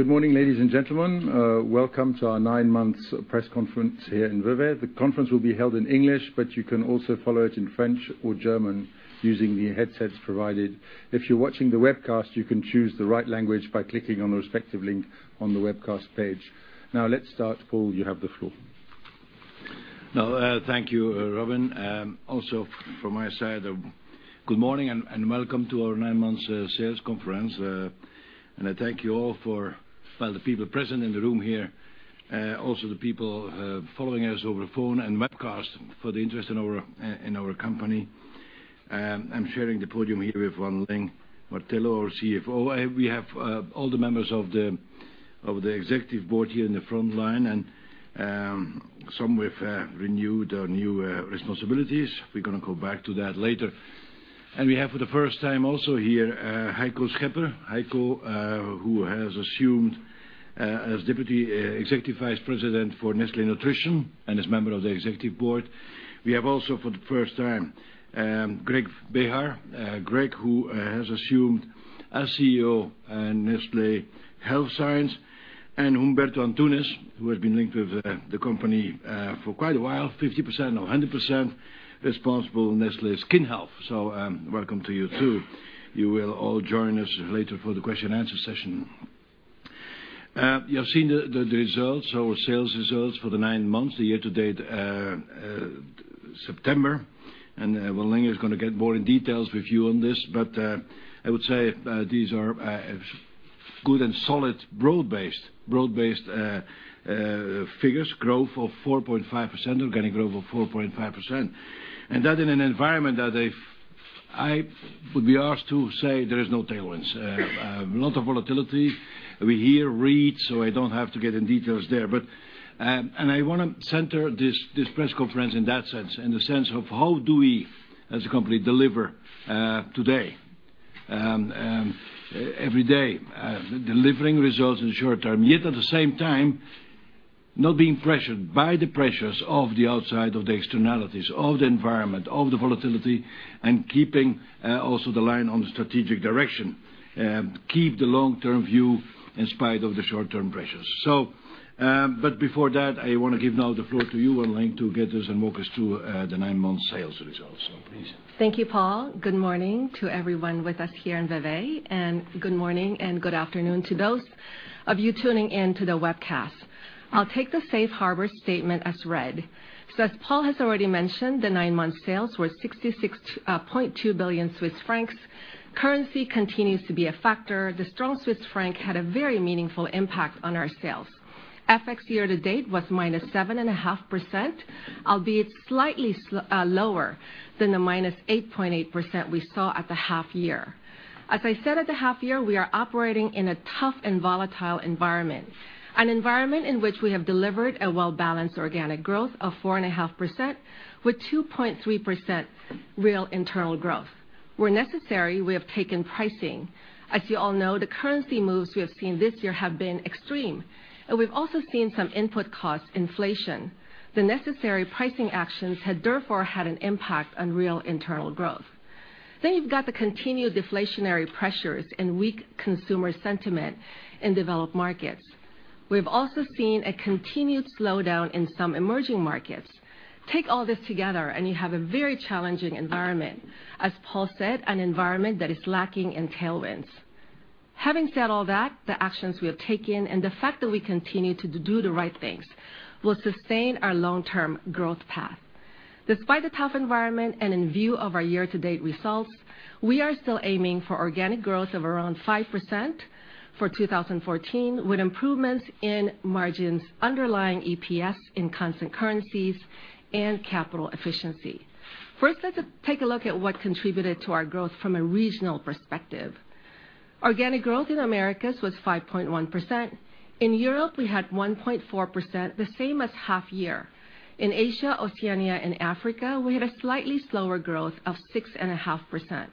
Good morning, ladies and gentlemen. Welcome to our nine months press conference here in Vevey. The conference will be held in English, but you can also follow it in French or German using the headsets provided. If you're watching the webcast, you can choose the right language by clicking on the respective link on the webcast page. Let's start. Paul, you have the floor. Thank you, Robin. Also from my side, good morning and welcome to our nine months sales conference. I thank you all, the people present in the room here, also the people following us over phone and webcast for the interest in our company. I'm sharing the podium here with Wan Ling Martello, our CFO. We have all the members of the Executive Board here in the front line, and some with renewed or new responsibilities. We're going to go back to that later. We have for the first time also here, Heiko Schipper. Heiko, who has assumed as Deputy Executive Vice President for Nestlé Nutrition and is member of the Executive Board. We have also for the first time Greg Behar. Greg, who has assumed as CEO at Nestlé Health Science, and Humberto Antunes, who has been linked with the company for quite a while, 50% or 100% responsible, Nestlé Skin Health. Welcome to you too. You will all join us later for the question and answer session. You have seen the results, our sales results for the nine months, the year to date, September, Wan Ling is going to get more in details with you on this. I would say these are good and solid broad-based figures. Growth of 4.5%, organic growth of 4.5%. That in an environment that if I would be asked to say there is no tailwinds. A lot of volatility. We hear, read, so I don't have to get in details there. I want to center this press conference in that sense, in the sense of how do we as a company deliver today, every day? Delivering results in short term, yet at the same time, not being pressured by the pressures of the outside, of the externalities of the environment, of the volatility, and keeping also the line on the strategic direction. Keep the long-term view in spite of the short-term pressures. Before that, I want to give now the floor to you, Wan Ling, to get us and walk us through the nine-month sales results. Please. Thank you, Paul. Good morning to everyone with us here in Vevey, and good morning and good afternoon to those of you tuning in to the webcast. I will take the safe harbor statement as read. As Paul has already mentioned, the nine-month sales were 66.2 billion Swiss francs. Currency continues to be a factor. The strong Swiss franc had a very meaningful impact on our sales. FX year-to-date was -7.5%, albeit slightly lower than the -8.8% we saw at the half-year. As I said at the half-year, we are operating in a tough and volatile environment. An environment in which we have delivered a well-balanced organic growth of 4.5% with 2.3% real internal growth. Where necessary, we have taken pricing. As you all know, the currency moves we have seen this year have been extreme, and we have also seen some input cost inflation. The necessary pricing actions have therefore had an impact on real internal growth. You have got the continued deflationary pressures and weak consumer sentiment in developed markets. We have also seen a continued slowdown in some emerging markets. Take all this together and you have a very challenging environment. As Paul said, an environment that is lacking in tailwinds. Having said all that, the actions we have taken and the fact that we continue to do the right things will sustain our long-term growth path. Despite the tough environment and in view of our year-to-date results, we are still aiming for organic growth of around 5% for 2014, with improvements in margins underlying EPS in constant currencies and capital efficiency. First, let's take a look at what contributed to our growth from a regional perspective. Organic growth in Americas was 5.1%. In Europe, we had 1.4%, the same as half-year. In Asia, Oceania, and Africa, we had a slightly slower growth of 6.5%.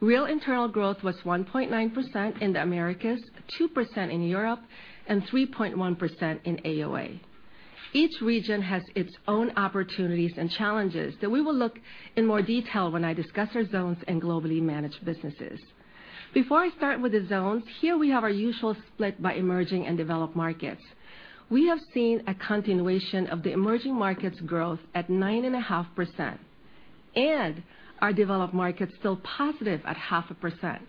Real internal growth was 1.9% in the Americas, 2% in Europe, and 3.1% in AOA. Each region has its own opportunities and challenges that we will look at in more detail when I discuss our zones and globally managed businesses. Before I start with the zones, here we have our usual split by emerging and developed markets. We have seen a continuation of the emerging markets growth at 9.5%, and our developed markets still positive at 0.5%.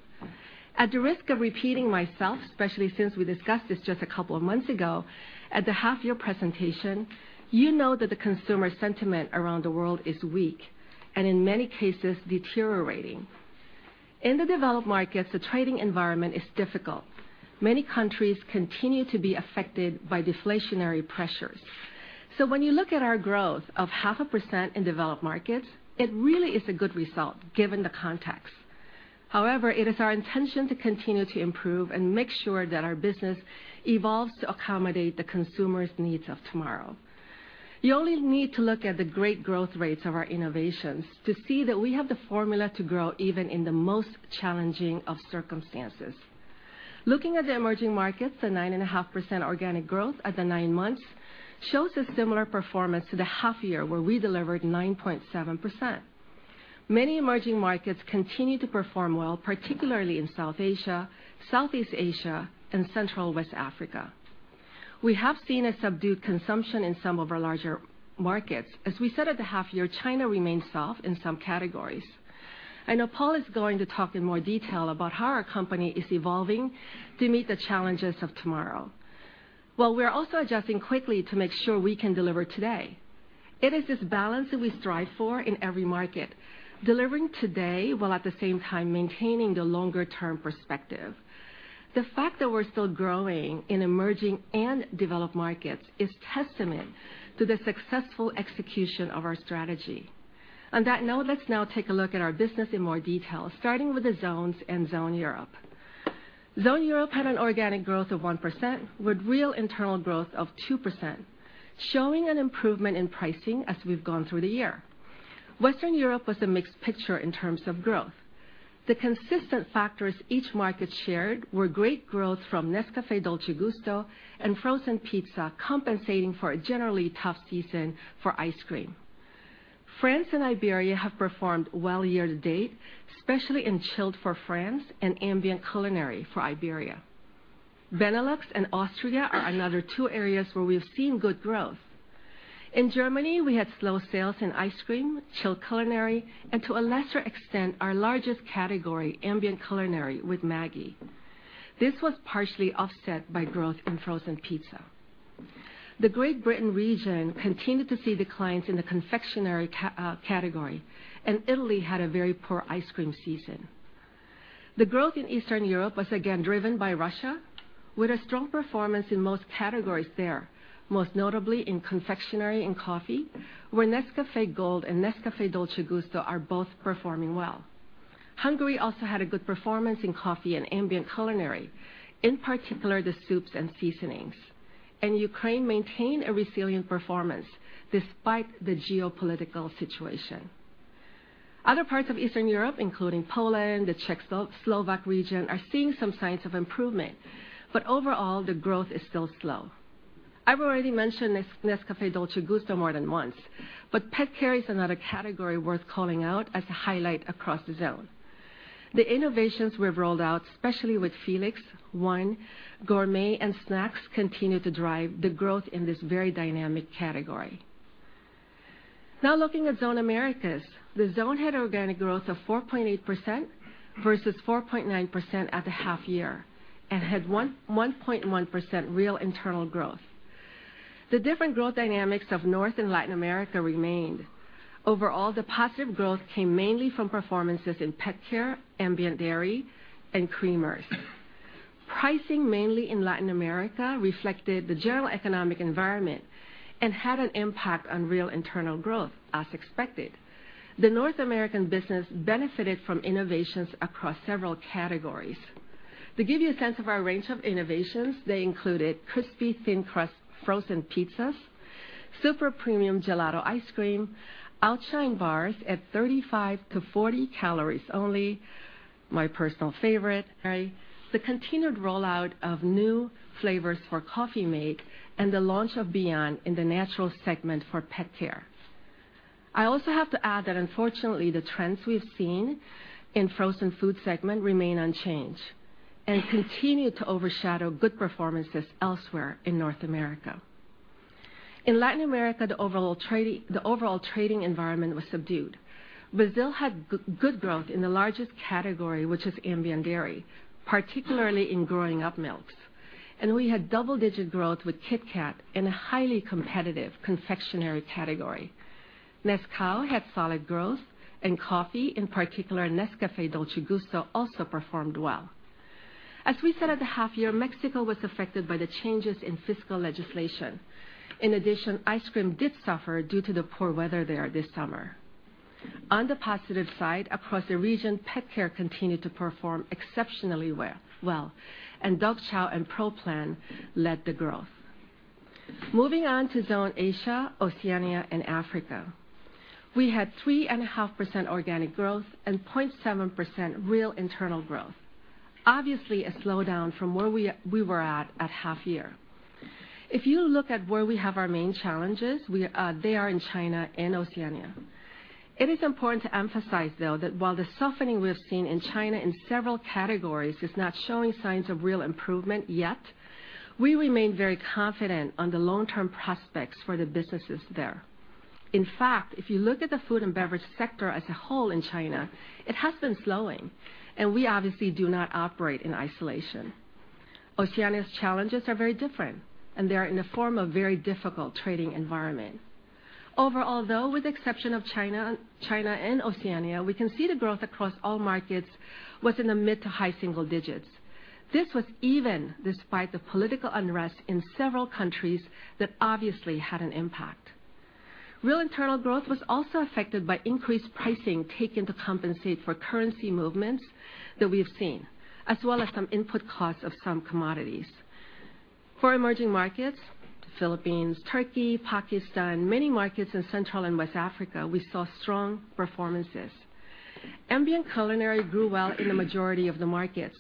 At the risk of repeating myself, especially since we discussed this just a couple of months ago at the half-year presentation, you know that the consumer sentiment around the world is weak, and in many cases deteriorating. In the developed markets, the trading environment is difficult. Many countries continue to be affected by deflationary pressures. When you look at our growth of 0.5% in developed markets, it really is a good result given the context. However, it is our intention to continue to improve and make sure that our business evolves to accommodate the consumer's needs of tomorrow. You only need to look at the great growth rates of our innovations to see that we have the formula to grow even in the most challenging of circumstances. Looking at the emerging markets, the 9.5% organic growth at the nine months shows a similar performance to the half-year where we delivered 9.7%. Many emerging markets continue to perform well, particularly in South Asia, Southeast Asia, and Central West Africa. We have seen a subdued consumption in some of our larger markets. As we said at the half-year, China remains soft in some categories. I know Paul is going to talk in more detail about how our company is evolving to meet the challenges of tomorrow. While we're also adjusting quickly to make sure we can deliver today. It is this balance that we strive for in every market, delivering today, while at the same time maintaining the longer-term perspective. The fact that we're still growing in emerging and developed markets is testament to the successful execution of our strategy. On that note, let's now take a look at our business in more detail, starting with the zones and Zone Europe. Zone Europe had an organic growth of 1% with real internal growth of 2%, showing an improvement in pricing as we've gone through the year. Western Europe was a mixed picture in terms of growth. The consistent factors each market shared were great growth from Nescafé Dolce Gusto and frozen pizza compensating for a generally tough season for ice cream. France and Iberia have performed well year-to-date, especially in chilled for France and ambient culinary for Iberia. Benelux and Austria are another two areas where we've seen good growth. In Germany, we had slow sales in ice cream, chilled culinary, and to a lesser extent, our largest category, ambient culinary with Maggi. This was partially offset by growth in frozen pizza. The Great Britain region continued to see declines in the confectionery category, and Italy had a very poor ice cream season. The growth in Eastern Europe was again driven by Russia, with a strong performance in most categories there, most notably in confectionery and coffee, where Nescafé Gold and Nescafé Dolce Gusto are both performing well. Hungary also had a good performance in coffee and ambient culinary, in particular the soups and seasonings. Ukraine maintained a resilient performance despite the geopolitical situation. Other parts of Eastern Europe, including Poland, the Czech, Slovak region, are seeing some signs of improvement, overall the growth is still slow. I've already mentioned Nescafé Dolce Gusto more than once, pet care is another category worth calling out as a highlight across the zone. The innovations we've rolled out, especially with Felix, ONE, Gourmet, and Snacks, continue to drive the growth in this very dynamic category. Now looking at Zone Americas. The zone had organic growth of 4.8% versus 4.9% at the half year and had 1.1% real internal growth. The different growth dynamics of North and Latin America remained. Overall, the positive growth came mainly from performances in pet care, ambient dairy, and creamers. Pricing mainly in Latin America reflected the general economic environment and had an impact on real internal growth as expected. The North American business benefited from innovations across several categories. To give you a sense of our range of innovations, they included crispy thin crust frozen pizzas, super premium gelato ice cream, Outshine bars at 35-40 calories only, my personal favorite, the continued rollout of new flavors for Coffee-mate, and the launch of Beyond in the natural segment for pet care. I also have to add that unfortunately, the trends we've seen in frozen food segment remain unchanged and continue to overshadow good performances elsewhere in North America. In Latin America, the overall trading environment was subdued. Brazil had good growth in the largest category, which is ambient dairy, particularly in growing up milks. We had double-digit growth with KitKat in a highly competitive confectionery category. Nescafé had solid growth, and coffee, in particular Nescafé Dolce Gusto, also performed well. As we said at the half year, Mexico was affected by the changes in fiscal legislation. In addition, ice cream did suffer due to the poor weather there this summer. On the positive side, across the region, pet care continued to perform exceptionally well, and Dog Chow and Pro Plan led the growth. Moving on to Zone Asia, Oceania, and Africa. We had 3.5% organic growth and 0.7% real internal growth. Obviously, a slowdown from where we were at half year. If you look at where we have our main challenges, they are in China and Oceania. It is important to emphasize, though, that while the softening we have seen in China in several categories is not showing signs of real improvement yet, we remain very confident on the long-term prospects for the businesses there. In fact, if you look at the food and beverage sector as a whole in China, it has been slowing, and we obviously do not operate in isolation. Oceania's challenges are very different, and they are in the form of very difficult trading environment. Overall, though, with the exception of China and Oceania, we can see the growth across all markets was in the mid to high single digits. This was even despite the political unrest in several countries that obviously had an impact. Real internal growth was also affected by increased pricing taken to compensate for currency movements that we have seen, as well as some input costs of some commodities. For emerging markets, Philippines, Turkey, Pakistan, many markets in Central and West Africa, we saw strong performances. Ambient culinary grew well in the majority of the markets,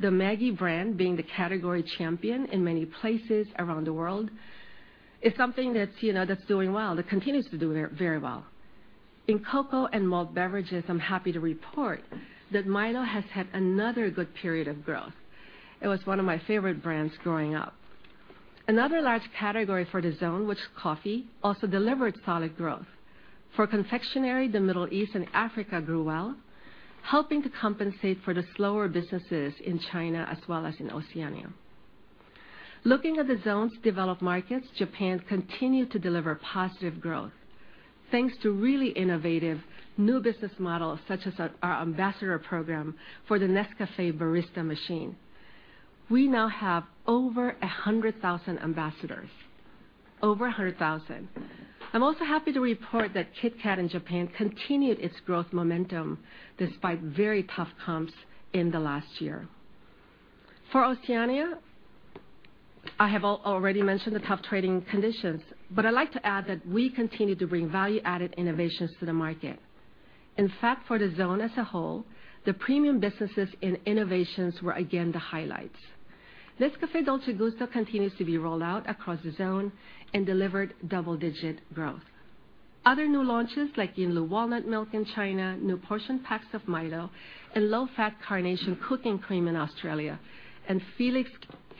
the Maggi brand being the category champion in many places around the world. It's something that's doing well, that continues to do very well. In cocoa and malt beverages, I'm happy to report that MILO has had another good period of growth. It was one of my favorite brands growing up. Another large category for the zone, which is coffee, also delivered solid growth. For confectionery, the Middle East and Africa grew well, helping to compensate for the slower businesses in China as well as in Oceania. Looking at the zone's developed markets, Japan continued to deliver positive growth, thanks to really innovative new business models such as our ambassador program for the Nescafé Barista machine. We now have over 100,000 ambassadors. Over 100,000. I'm also happy to report that KitKat in Japan continued its growth momentum despite very tough comps in the last year. For Oceania, I have already mentioned the tough trading conditions, but I'd like to add that we continue to bring value-added innovations to the market. In fact, for the zone as a whole, the premium businesses and innovations were again the highlights. Nescafé Dolce Gusto continues to be rolled out across the zone and delivered double-digit growth. Other new launches like Yinlu Walnut Milk in China, new portion packs of MILO, and low-fat Carnation cooking cream in Australia, and Felix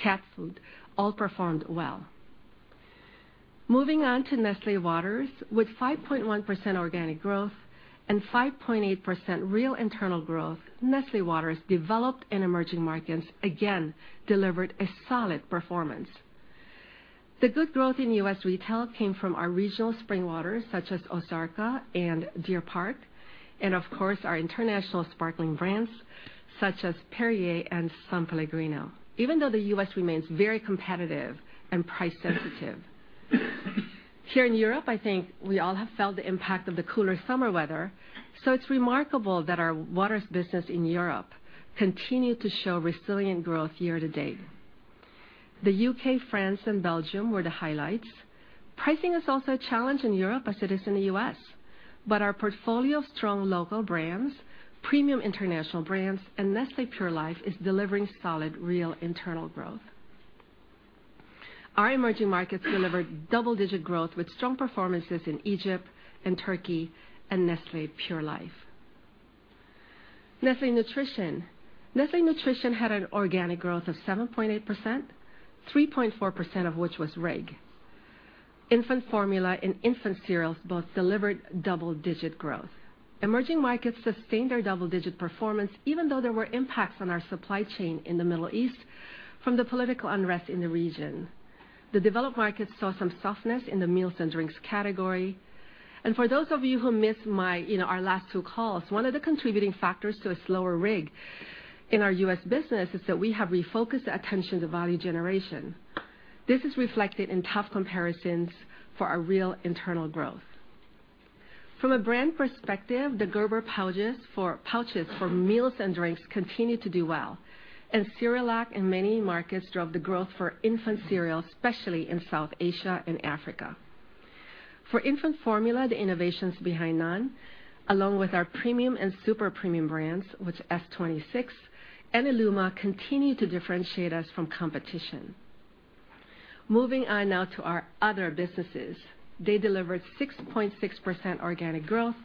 cat food all performed well. Moving on to Nestlé Waters. With 5.1% organic growth and 5.8% real internal growth, Nestlé Waters developed in emerging markets, again, delivered a solid performance. The good growth in U.S. retail came from our regional spring waters such as Ozarka and Deer Park, and of course, our international sparkling brands such as Perrier and S.Pellegrino, even though the U.S. remains very competitive and price sensitive. Here in Europe, I think we all have felt the impact of the cooler summer weather, so it's remarkable that our waters business in Europe continued to show resilient growth year to date. The U.K., France, and Belgium were the highlights. Pricing is also a challenge in Europe as it is in the U.S., our portfolio of strong local brands, premium international brands, and Nestlé Pure Life is delivering solid real internal growth. Our emerging markets delivered double-digit growth with strong performances in Egypt and Turkey and Nestlé Pure Life. Nestlé Nutrition. Nestlé Nutrition had an organic growth of 7.8%, 3.4% of which was RIG. Infant formula and infant cereals both delivered double-digit growth. Emerging markets sustained their double-digit performance, even though there were impacts on our supply chain in the Middle East from the political unrest in the region. The developed markets saw some softness in the meals and drinks category. For those of you who missed our last two calls, one of the contributing factors to a slower RIG in our U.S. business is that we have refocused attention to value generation. This is reflected in tough comparisons for our real internal growth. From a brand perspective, the Gerber pouches for meals and drinks continued to do well, and Cerelac in many markets drove the growth for infant cereal, especially in South Asia and Africa. For infant formula, the innovations behind NAN, along with our premium and super premium brands, which S-26 and Illuma continue to differentiate us from competition. Moving on now to our other businesses. They delivered 6.6% organic growth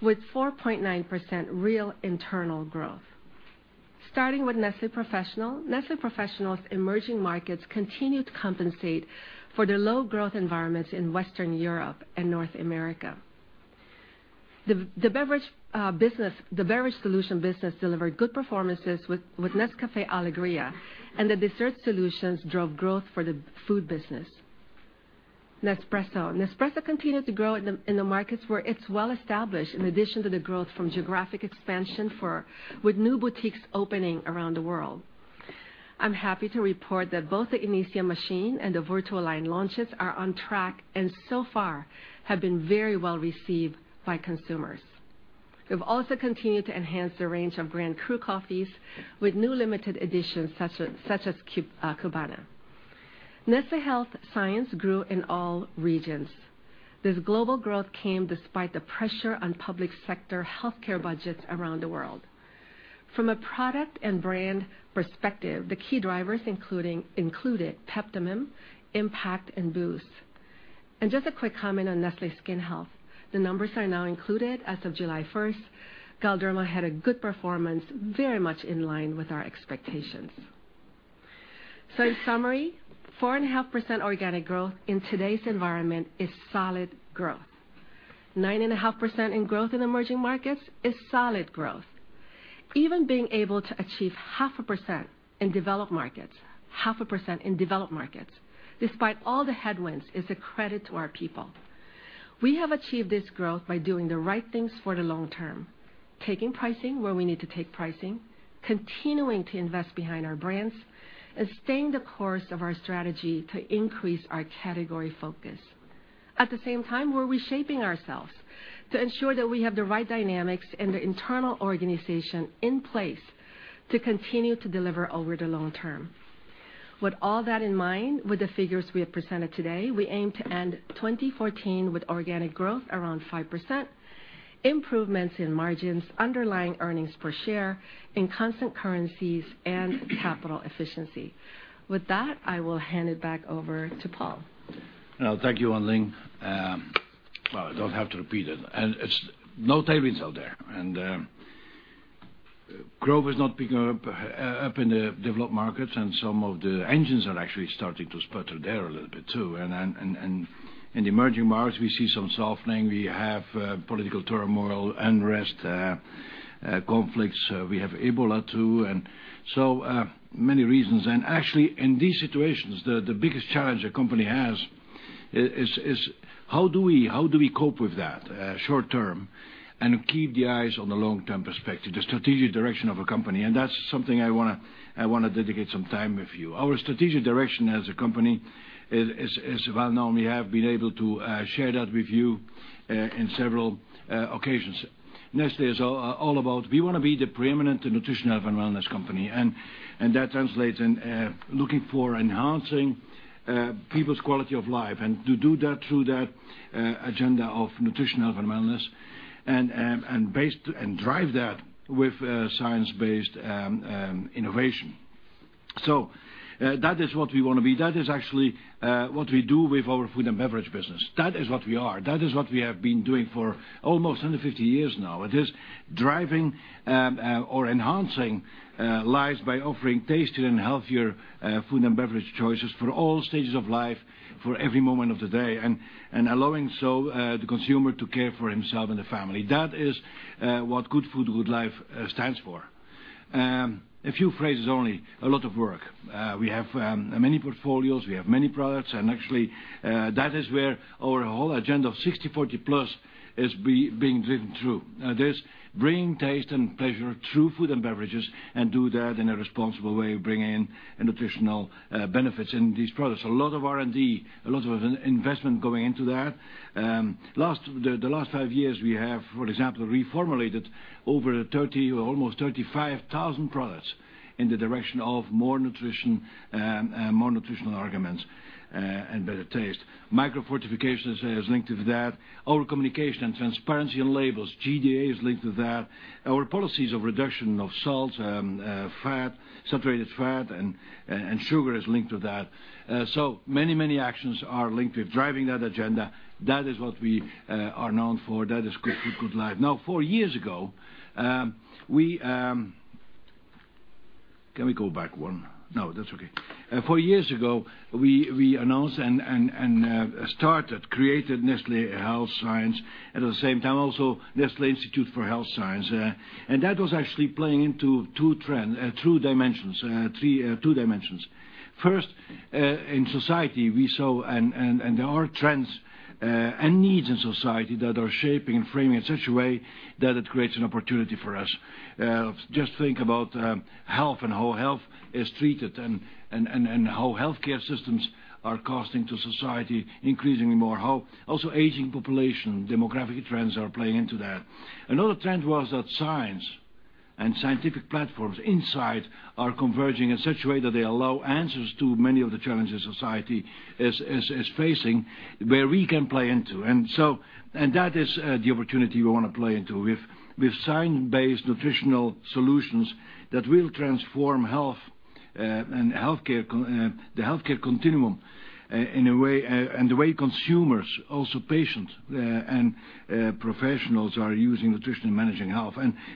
with 4.9% real internal growth. Starting with Nestlé Professional. Nestlé Professional's emerging markets continued to compensate for the low growth environments in Western Europe and North America. The beverage solution business delivered good performances with Nescafé Alegria, and the dessert solutions drove growth for the food business. Nespresso. Nespresso continued to grow in the markets where it's well-established, in addition to the growth from geographic expansion with new boutiques opening around the world. I'm happy to report that both the Inissia machine and the VertuoLine launches are on track, and so far have been very well-received by consumers. We've also continued to enhance the range of Grand Cru coffees with new limited editions such as Cubania. Nestlé Health Science grew in all regions. This global growth came despite the pressure on public sector healthcare budgets around the world. From a product and brand perspective, the key drivers included Peptamen, Impact, and BOOST. And just a quick comment on Nestlé Skin Health. The numbers are now included as of July 1st. Galderma had a good performance, very much in line with our expectations. In summary, 4.5% organic growth in today's environment is solid growth. 9.5% in growth in emerging markets is solid growth. Even being able to achieve 0.5% in developed markets, despite all the headwinds, is a credit to our people. We have achieved this growth by doing the right things for the long term, taking pricing where we need to take pricing, continuing to invest behind our brands, and staying the course of our strategy to increase our category focus. At the same time, we're reshaping ourselves to ensure that we have the right dynamics and the internal organization in place to continue to deliver over the long term. With all that in mind, with the figures we have presented today, we aim to end 2014 with organic growth around 5%, improvements in margins, underlying earnings per share in constant currencies and capital efficiency. With that, I will hand it back over to Paul. Thank you, Wan Ling. Well, I don't have to repeat it. No tailwinds out there. Growth is not picking up in the developed markets, and some of the engines are actually starting to sputter there a little bit, too. In the emerging markets, we see some softening. We have political turmoil, unrest, conflicts. We have Ebola, too, so many reasons. Actually, in these situations, the biggest challenge a company has is how do we cope with that short term and keep the eyes on the long-term perspective, the strategic direction of a company? That's something I want to dedicate some time with you. Our strategic direction as a company is well-known. We have been able to share that with you in several occasions. Nestlé is all about we want to be the preeminent nutrition, health, and wellness company, and that translates in looking for enhancing people's quality of life and to do that through that agenda of nutrition, health, and wellness, and drive that with science-based innovation. That is what we want to be. That is actually what we do with our food and beverage business. That is what we are. That is what we have been doing for almost 150 years now. It is driving or enhancing lives by offering tastier and healthier food and beverage choices for all stages of life, for every moment of the day, and allowing so the consumer to care for himself and the family. That is what Good Food, Good Life stands for. A few phrases only, a lot of work. We have many portfolios, we have many products, and actually that is where our whole agenda of 60/40+ is being driven through. That is bringing taste and pleasure through food and beverages and do that in a responsible way, bringing in nutritional benefits in these products. A lot of R&D, a lot of investment going into that. The last five years we have, for example, reformulated over 30 or almost 35,000 products in the direction of more nutrition, more nutritional arguments, and better taste. microfortification is linked to that. Our communication and transparency on labels, GDA, is linked to that. Our policies of reduction of salt, fat, saturated fat, and sugar is linked to that. Many, many actions are linked with driving that agenda. That is what we are known for. That is Good Food, Good Life. Can we go back one? No, that's okay. Four years ago, we announced and started, created Nestlé Health Science, at the same time also Nestlé Institute of Health Sciences. That was actually playing into two dimensions. First, in society we saw, there are trends and needs in society that are shaping and framing in such a way that it creates an opportunity for us. Just think about health and how health is treated and how healthcare systems are costing to society increasingly more. Also aging population, demographic trends are playing into that. Another trend was that science and scientific platforms inside are converging in such a way that they allow answers to many of the challenges society is facing, where we can play into. That is the opportunity we want to play into. With science-based nutritional solutions that will transform health and the healthcare continuum, and the way consumers, also patient and professionals are using nutrition in managing health.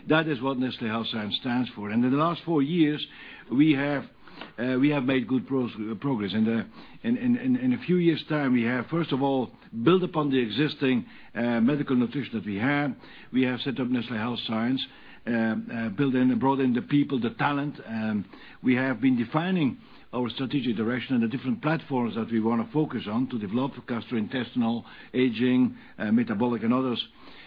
That is what Nestlé Health Science stands for. In the last four years, we have made good progress. In a few years' time, we have, first of all, built upon the existing medical nutrition that we have. We have set up Nestlé Health Science, built in and brought in the people, the talent. We have been defining our strategic direction and the different platforms that we want to focus on to develop gastrointestinal, aging, metabolic and others.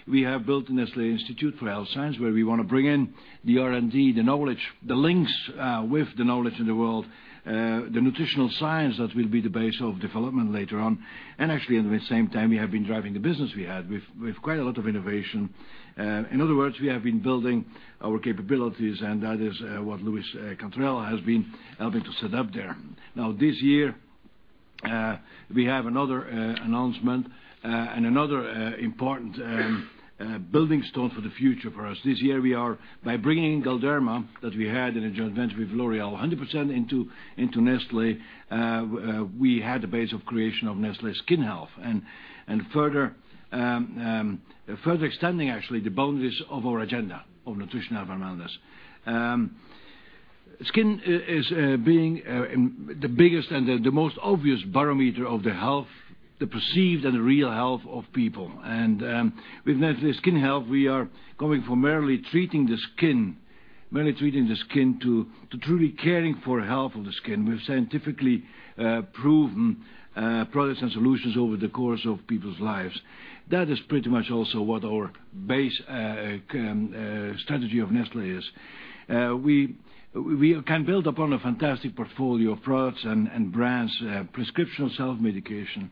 We have built Nestlé Institute of Health Sciences, where we want to bring in the R&D, the knowledge, the links with the knowledge in the world, the nutritional science that will be the base of development later on. Actually, in the same time, we have been driving the business we had with quite a lot of innovation. In other words, we have been building our capabilities, and that is what Luis Cantarell has been helping to set up there. This year, we have another announcement and another important building stone for the future for us. This year we are by bringing in Galderma that we had in a joint venture with L'Oréal 100% into Nestlé. We had the base of creation of Nestlé Skin Health and further extending actually the boundaries of our agenda on nutrition, health, and wellness. Skin is being the biggest and the most obvious barometer of the health, the perceived and real health of people. With Nestlé Skin Health, we are going from merely treating the skin to truly caring for health of the skin with scientifically proven products and solutions over the course of people's lives. That is pretty much also what our base strategy of Nestlé is. We can build upon a fantastic portfolio of products and brands, prescription self-medication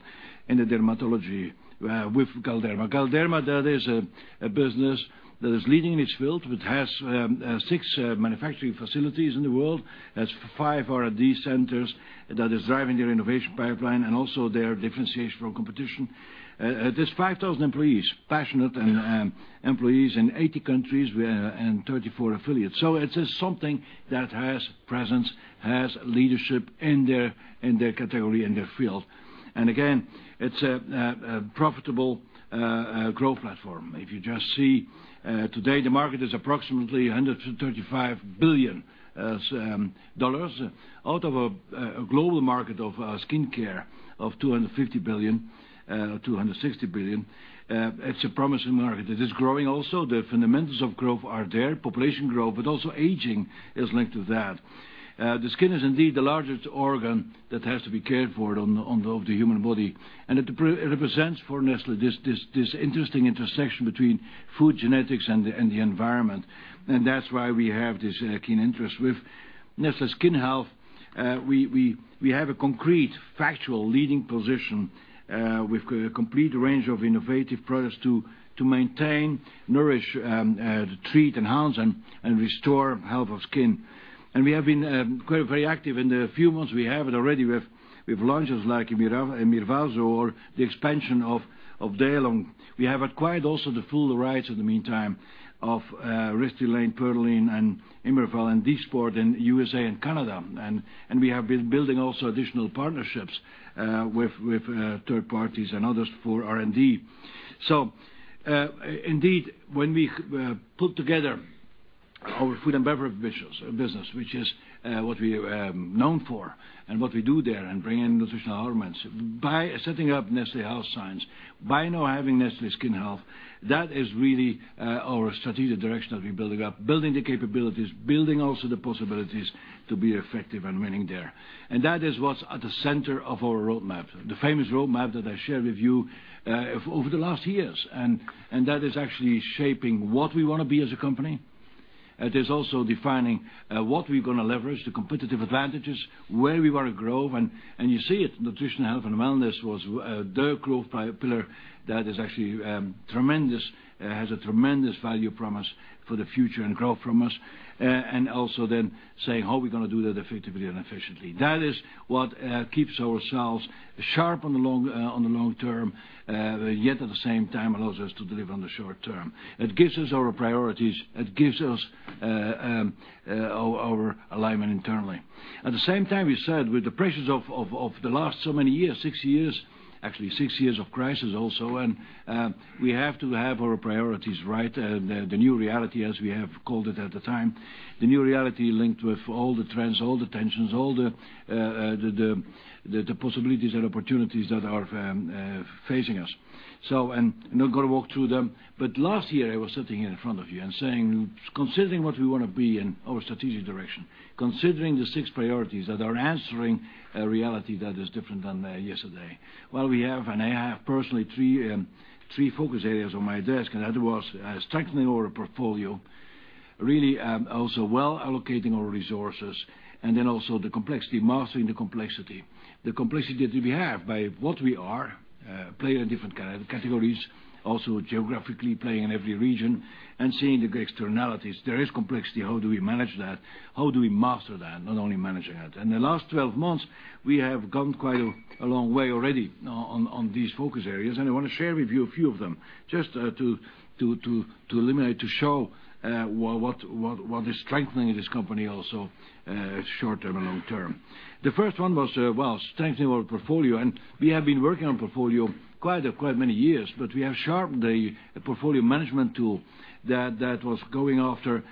in the dermatology with Galderma. Galderma, that is a business that is leading in its field, which has six manufacturing facilities in the world, has five R&D centers that is driving their innovation pipeline and also their differentiation from competition. There's 5,000 employees, passionate and employees in 80 countries, and 34 affiliates. It is something that has presence, has leadership in their category, in their field. Again, it's a profitable growth platform. If you just see today the market is approximately $135 billion out of a global market of skin care of $250 billion, $260 billion. It's a promising market that is growing also. The fundamentals of growth are there. Population growth, but also aging is linked to that. The skin is indeed the largest organ that has to be cared for of the human body. It represents for Nestlé, this interesting intersection between food genetics and the environment. That's why we have this keen interest. With Nestlé Skin Health, we have a concrete, factual leading position with a complete range of innovative products to maintain, nourish, treat, enhance, and restore health of skin. We have been quite very active in the few months. We have it already with launches like Mirvaso or the expansion of Daylong. We have acquired also the full rights in the meantime of Restylane, Perlane, Emervel, and Dysport in USA and Canada. We have been building also additional partnerships with third parties and others for R&D. Indeed when we put together our food and beverage business, which is what we are known for and what we do there, and bring in nutritional elements, by setting up Nestlé Health Science, by now having Nestlé Skin Health, that is really our strategic direction that we're building up. Building the capabilities, building also the possibilities to be effective and winning there. That is what's at the center of our roadmap, the famous roadmap that I shared with you over the last years. That is actually shaping what we want to be as a company. It is also defining what we're going to leverage, the competitive advantages, where we want to grow. You see it, Nutrition, Health and Wellness was the growth pillar that is actually has a tremendous value promise for the future and growth promise. Also then saying, how are we going to do that effectively and efficiently? That is what keeps ourselves sharp on the long term, yet at the same time allows us to deliver on the short term. It gives us our priorities. It gives us our alignment internally. At the same time, we said with the pressures of the last so many years, six years of crisis also, and we have to have our priorities right. The new reality, as we have called it at the time, the new reality linked with all the trends, all the tensions, all the possibilities and opportunities that are facing us. I'm not going to walk through them, but last year I was sitting here in front of you and saying, considering what we want to be and our strategic direction, considering the six priorities that are answering a reality that is different than yesterday. Well, we have, and I have personally three focus areas on my desk, and that was strengthening our portfolio, really also well allocating our resources, and then also the complexity, mastering the complexity. The complexity that we have by what we are, play in different categories, also geographically playing in every region and seeing the externalities. There is complexity. How do we manage that? How do we master that? Not only managing it. The last 12 months, we have gone quite a long way already on these focus areas. I want to share with you a few of them just to illuminate, to show what is strengthening this company also, short-term and long-term. The first one was strengthening our portfolio. We have been working on portfolio quite many years, but we have sharpened the portfolio management tool that was going after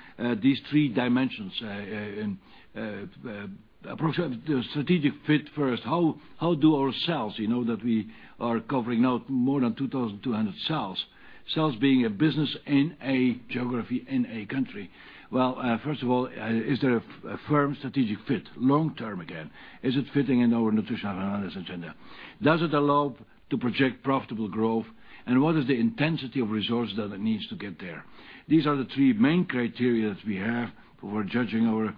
these three dimensions. Approach the strategic fit first. How do our cells, you know that we are covering now more than 2,200 cells. Cells being a business in a geography, in a country. First of all, is there a firm strategic fit long term again? Is it fitting in our Nutrition and Wellness agenda? Does it allow to project profitable growth? What is the intensity of resource that it needs to get there? These are the three main criteria that we have for judging our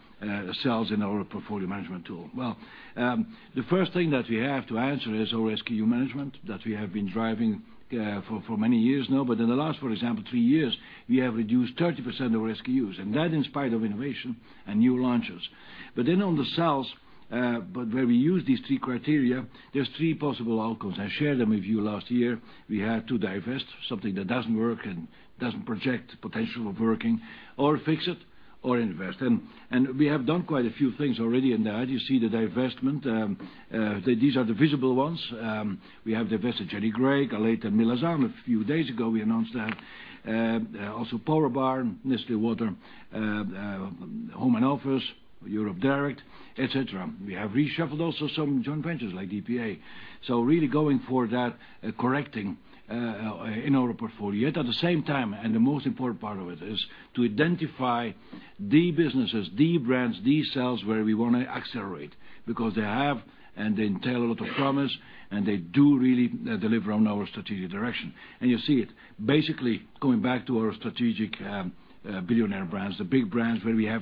cells in our portfolio management tool. The first thing that we have to answer is our SKU management that we have been driving for many years now. In the last, for example, three years, we have reduced 30% of our SKUs, and that in spite of innovation and new launches. On the cells, where we use these three criteria, there are three possible outcomes. I shared them with you last year. We had to divest something that doesn't work and doesn't project potential of working, or fix it, or invest. We have done quite a few things already in that. You see the divestment. These are the visible ones. We have divested Jenny Craig, Alete, Milasan, a few days ago we announced that. Also PowerBar, Nestlé Waters Direct Europe, et cetera. We have reshuffled also some joint ventures like DPA. Really going for that correcting in our portfolio. Yet at the same time, the most important part of it is to identify the businesses, the brands, these cells where we want to accelerate because they have and they entail a lot of promise and they do really deliver on our strategic direction. You'll see it basically going back to our strategic billionaire brands, the big brands where we have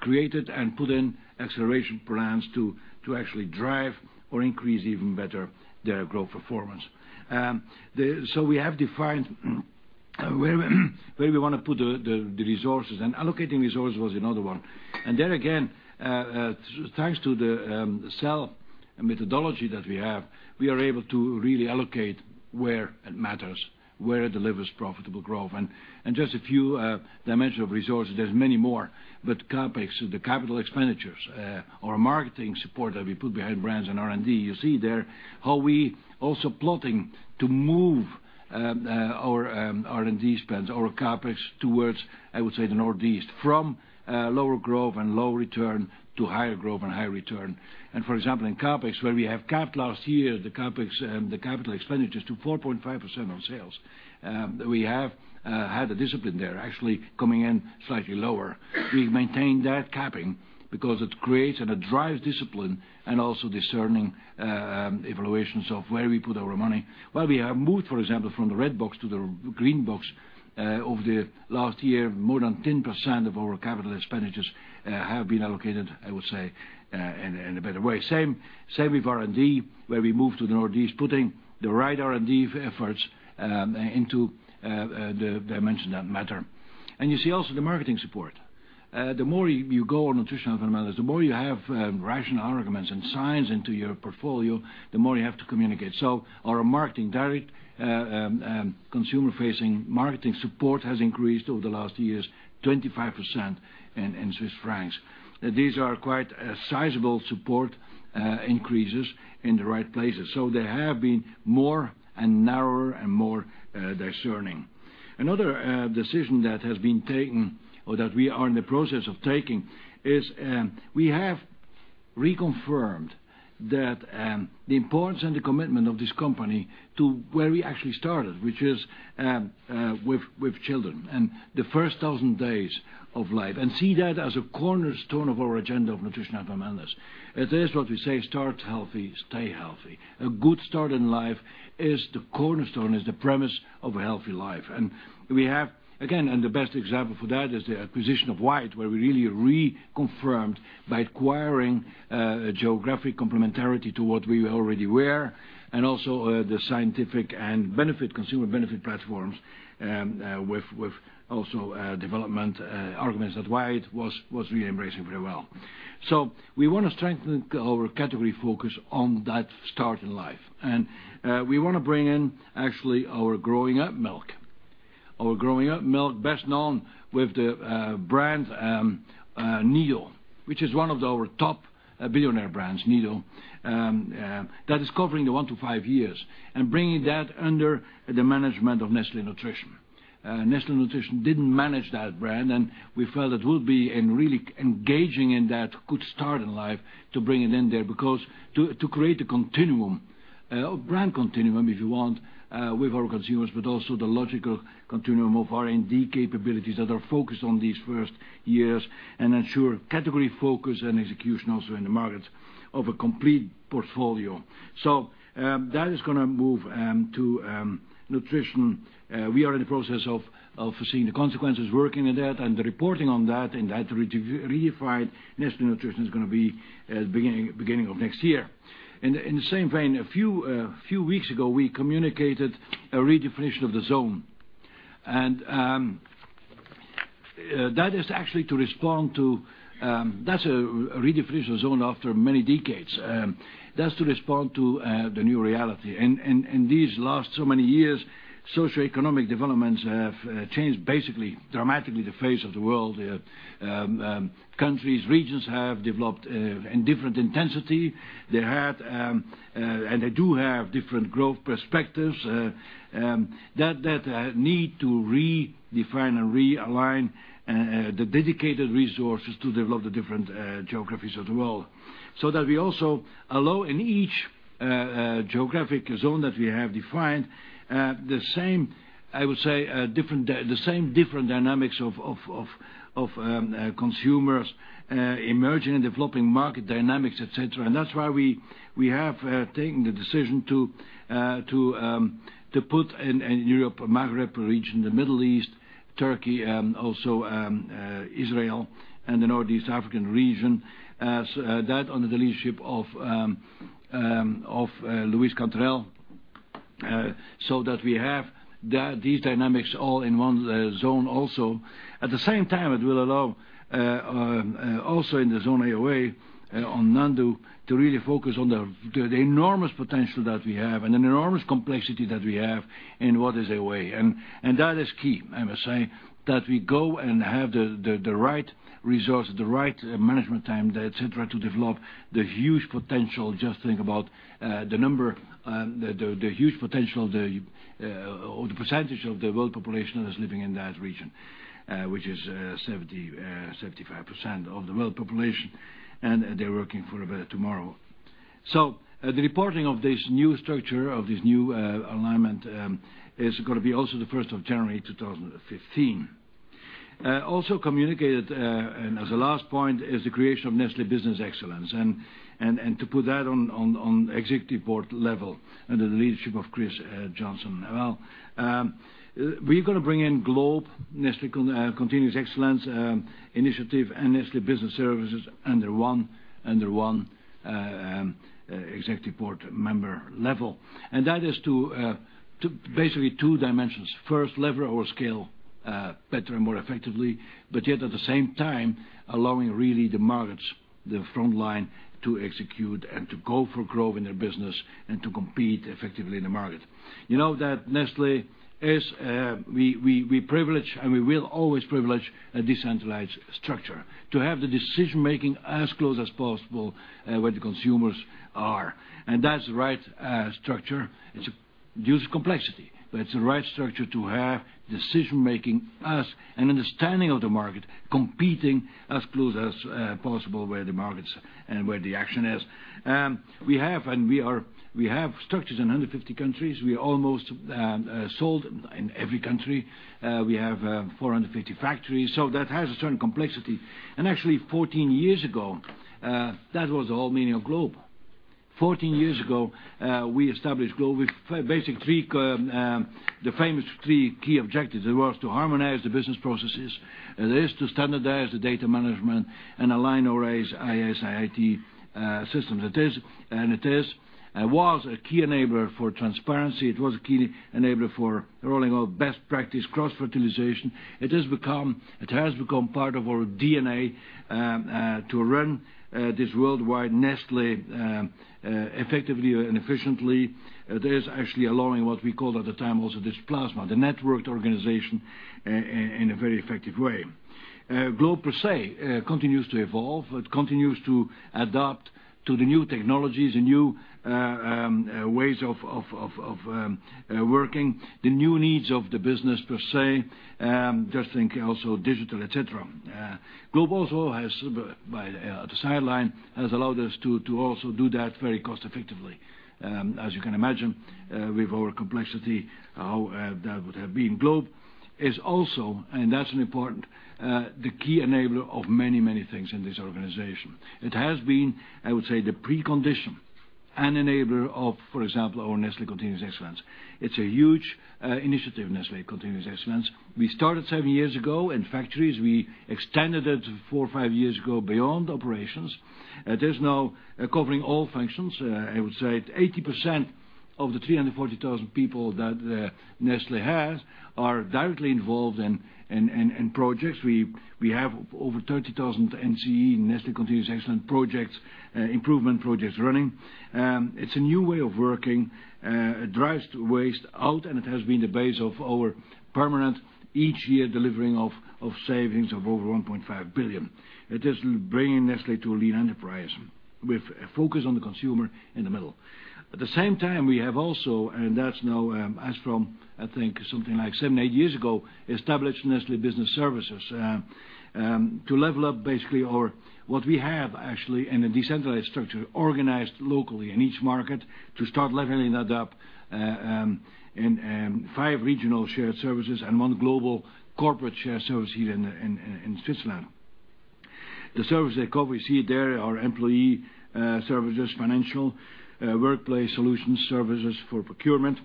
created and put in acceleration plans to actually drive or increase even better their growth performance. We have defined where we want to put the resources and allocating resources was another one. There again, thanks to the cell methodology that we have, we are able to really allocate where it matters, where it delivers profitable growth. Just a few dimensions of resources, there are many more, but CapEx, the capital expenditures or marketing support that we put behind brands and R&D. You see there how we are also plotting to move our R&D spends or CapEx towards, I would say, the Northeast from lower growth and low return to higher growth and higher return. For example, in CapEx where we have capped last year, the capital expenditures to 4.5% on sales. We have had a discipline there actually coming in slightly lower. We've maintained that capping because it creates and it drives discipline and also discerning evaluations of where we put our money. While we have moved, for example, from the red box to the green box, over the last year, more than 10% of our capital expenditures have been allocated, I would say, in a better way. Same with R&D where we moved to the Northeast, putting the right R&D efforts into the dimensions that matter. You see also the marketing support. The more you go on nutritional fundamentals, the more you have rational arguments and science into your portfolio, the more you have to communicate. Our marketing direct consumer facing marketing support has increased over the last years 25% in CHF. These are quite sizable support increases in the right places. They have been more and narrower and more discerning. Another decision that has been taken or that we are in the process of taking is we have reconfirmed that the importance and the commitment of this company to where we actually started, which is with children and the first 1,000 days of life. See that as a cornerstone of our agenda of nutritional fundamentals. It is what we say, start healthy, stay healthy. A good start in life is the cornerstone, is the premise of a healthy life. We have, again, and the best example for that is the acquisition of Wyeth, where we really reconfirmed by acquiring geographic complementarity to what we already were, and also the scientific and consumer benefit platforms with also development arguments that Wyeth was really embracing very well. We want to strengthen our category focus on that start in life. We want to bring in actually our growing up milk. Our growing up milk, best known with the brand NAN, which is one of our top billionaire brands, NAN, that is covering the 1 to 5 years, and bringing that under the management of Nestlé Nutrition. Nestlé Nutrition didn't manage that brand, we felt it would be, really engaging in that good start in life to bring it in there because to create a continuum, a brand continuum, if you want with our consumers, but also the logical continuum of R&D capabilities that are focused on these first years and ensure category focus and execution also in the markets of a complete portfolio. That is going to move to nutrition. We are in the process of foreseeing the consequences, working on that, and the reporting on that, and that redefined Nestlé Nutrition is going to be beginning of next year. In the same vein, a few weeks ago, we communicated a redefinition of the zone. That is actually a redefinition of the zone after many decades. That's to respond to the new reality. These last so many years, socioeconomic developments have changed basically dramatically the face of the world. Countries, regions have developed in different intensity. They had and they do have different growth perspectives that need to redefine and realign the dedicated resources to develop the different geographies of the world. That we also allow in each geographic zone that we have defined the same, I would say, different dynamics of consumers emerging and developing market dynamics, et cetera. That's why we have taken the decision to put in Europe, Maghreb region, the Middle East, Turkey, also Israel, and the Northeast African region as that under the leadership of Luis Cantarell. That we have these dynamics all in one zone also. At the same time, it will allow, also in the Zone AOA on Nandu, to really focus on the enormous potential that we have and the enormous complexity that we have in what is AOA. That is key, I must say, that we go and have the right resource, the right management time, et cetera, to develop the huge potential. Just think about the huge potential or the percentage of the world population that is living in that region, which is 75% of the world population, and they're working for a better tomorrow. The reporting of this new structure, of this new alignment, is going to be also the 1st of January 2015. Also communicated, and as a last point, is the creation of Nestlé Business Excellence, and to put that on executive board level under the leadership of Chris Johnson. We're going to bring in GLOBE, Nestlé Continuous Excellence Initiative, and Nestlé Business Services under one executive board member level. That is to basically two dimensions. First, lever our scale better and more effectively, but yet at the same time allowing really the markets, the frontline to execute and to go for growth in their business and to compete effectively in the market. You know that Nestlé, we privilege and we will always privilege a decentralized structure to have the decision making as close as possible where the consumers are. That's the right structure. It use complexity, but it's the right structure to have decision making as an understanding of the market, competing as close as possible where the markets and where the action is. We have structures in 150 countries. We almost sold in every country. We have 450 factories. That has a certain complexity. Actually 14 years ago, that was the whole meaning of GLOBE. 14 years ago, we established GLOBE with basic the famous three key objectives. It was to harmonize the business processes. It is to standardize the data management and align or raise IS/IT systems. It was a key enabler for transparency. It was a key enabler for rolling out best practice cross-fertilization. It has become part of our DNA to run this worldwide Nestlé effectively and efficiently. That is actually allowing what we called at the time also this plasma, the networked organization in a very effective way. GLOBE per se continues to evolve. It continues to adapt to the new technologies and new ways of working, the new needs of the business per se. Just think also digital, et cetera. GLOBE also has, by the sideline, has allowed us to also do that very cost effectively. As you can imagine, with our complexity, how that would have been. GLOBE is also the key enabler of many things in this organization. It has been, I would say, the precondition and enabler of, for example, our Nestlé Continuous Excellence. It's a huge initiative, Nestlé Continuous Excellence. We started seven years ago in factories. We extended it four or five years ago beyond operations. It is now covering all functions. I would say 80% of the 340,000 people that Nestlé has are directly involved in projects. We have over 30,000 NCE, Nestlé Continuous Excellence projects, improvement projects running. It's a new way of working. It drives waste out, and it has been the base of our permanent each year delivering of savings of over 1.5 billion. It is bringing Nestlé to a lean enterprise with a focus on the consumer in the middle. At the same time, we have also, that's now as from, I think something like seven, eight years ago, established Nestlé Business Services to level up basically our, what we have actually in a decentralized structure, organized locally in each market to start leveling that up in five regional shared services and one global corporate shared service here in Switzerland. The service they cover, we see there are employee services, financial, workplace solutions services for procurement,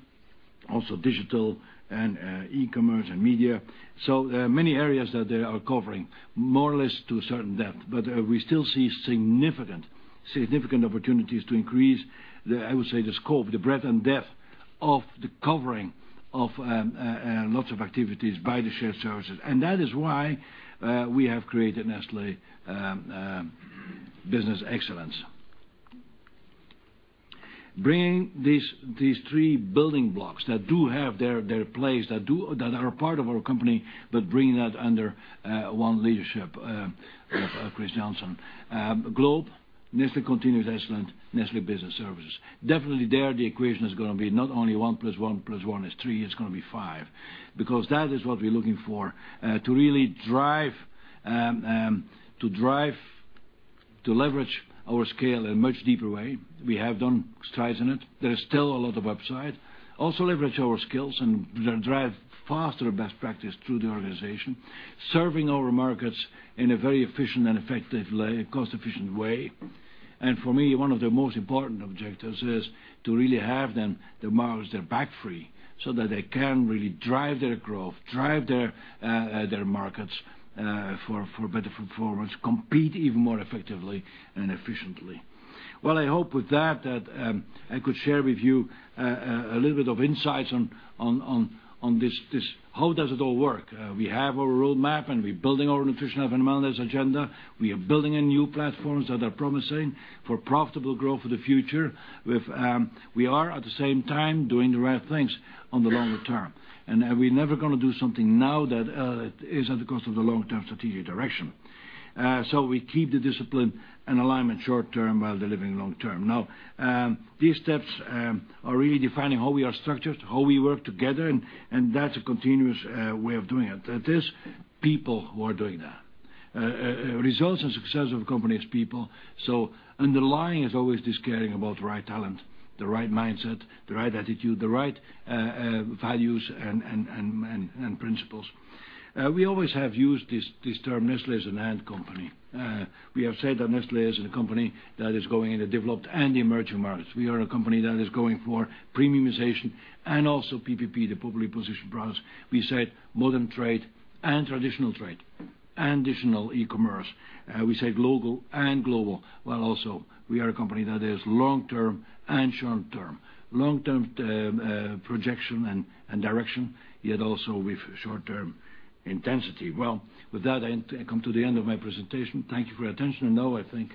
also digital and e-commerce and media. Many areas that they are covering more or less to a certain depth. We still see significant opportunities to increase the, I would say the scope, the breadth and depth of the covering of lots of activities by the shared services. That is why we have created Nestlé Business Excellence. Bringing these three building blocks that do have their place, that are part of our company, bringing that under one leadership of Chris Johnson. GLOBE, Nestlé Continuous Excellence, Nestlé Business Services. Definitely there, the equation is going to be not only one plus one plus one is three, it's going to be five. That is what we're looking for, to really drive, to leverage our scale in a much deeper way. We have done strides in it. There is still a lot of upside. Leverage our skills and drive faster best practice through the organization, serving our markets in a very efficient and effective cost-efficient way. For me, one of the most important objectives is to really have them, the markets, their back free so that they can really drive their growth, drive their markets for better performance, compete even more effectively and efficiently. I hope with that I could share with you a little bit of insights on this, how does it all work? We have our roadmap, we're building our nutritional fundamentals agenda. We are building new platforms that are promising for profitable growth for the future. We are, at the same time, doing the right things on the longer term. We're never going to do something now that is at the cost of the long-term strategic direction. We keep the discipline and alignment short term while delivering long term. These steps are really defining how we are structured, how we work together, that's a continuous way of doing it. That is people who are doing that. Results and success of a company is people, underlying is always this caring about the right talent, the right mindset, the right attitude, the right values and principles. We always have used this term, Nestlé is an and company. We have said that Nestlé is a company that is going into developed and emerging markets. We are a company that is going for premiumization and also PPP, the Popularly Positioned Products. We said modern trade and traditional trade and additional e-commerce. We said local and global, while also we are a company that is long term and short term. Long-term projection and direction, yet also with short-term intensity. With that, I come to the end of my presentation. Thank you for your attention, now I think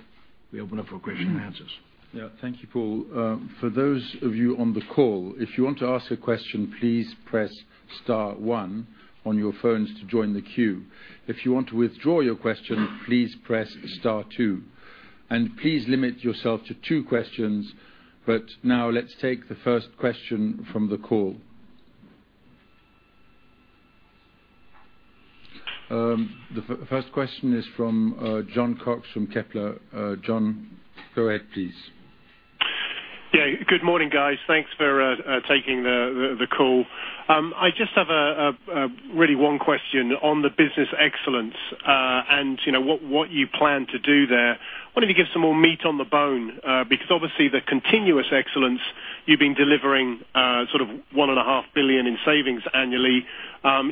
we open up for question and answers. Yeah. Thank you, Paul. For those of you on the call, if you want to ask a question, please press star one on your phones to join the queue. If you want to withdraw your question, please press star two. Please limit yourself to two questions. Now let's take the first question from the call. The first question is from Jon Cox from Kepler Cheuvreux. Jon, go ahead please. Yeah. Good morning, guys. Thanks for taking the call. I just have really one question on the Nestlé Business Excellence, and what you plan to do there. Wonder if you could give some more meat on the bone, because obviously the Nestlé Continuous Excellence you've been delivering sort of one and a half billion in savings annually.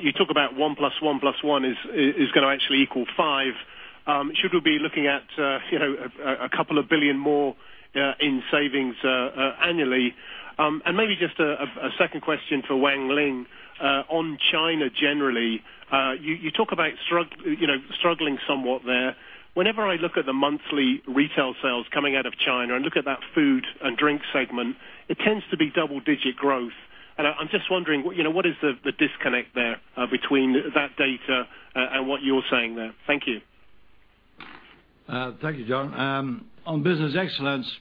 You talk about one plus one plus one is going to actually equal five. Should we be looking at a couple of billion more in savings annually? Maybe just a second question for Wan Ling on China generally. You talk about struggling somewhat there. Whenever I look at the monthly retail sales coming out of China and look at that food and drink segment, it tends to be double-digit growth. I'm just wondering, what is the disconnect there between that data, and what you're saying there? Thank you. Thank you, Jon. On Nestlé Business Excellence,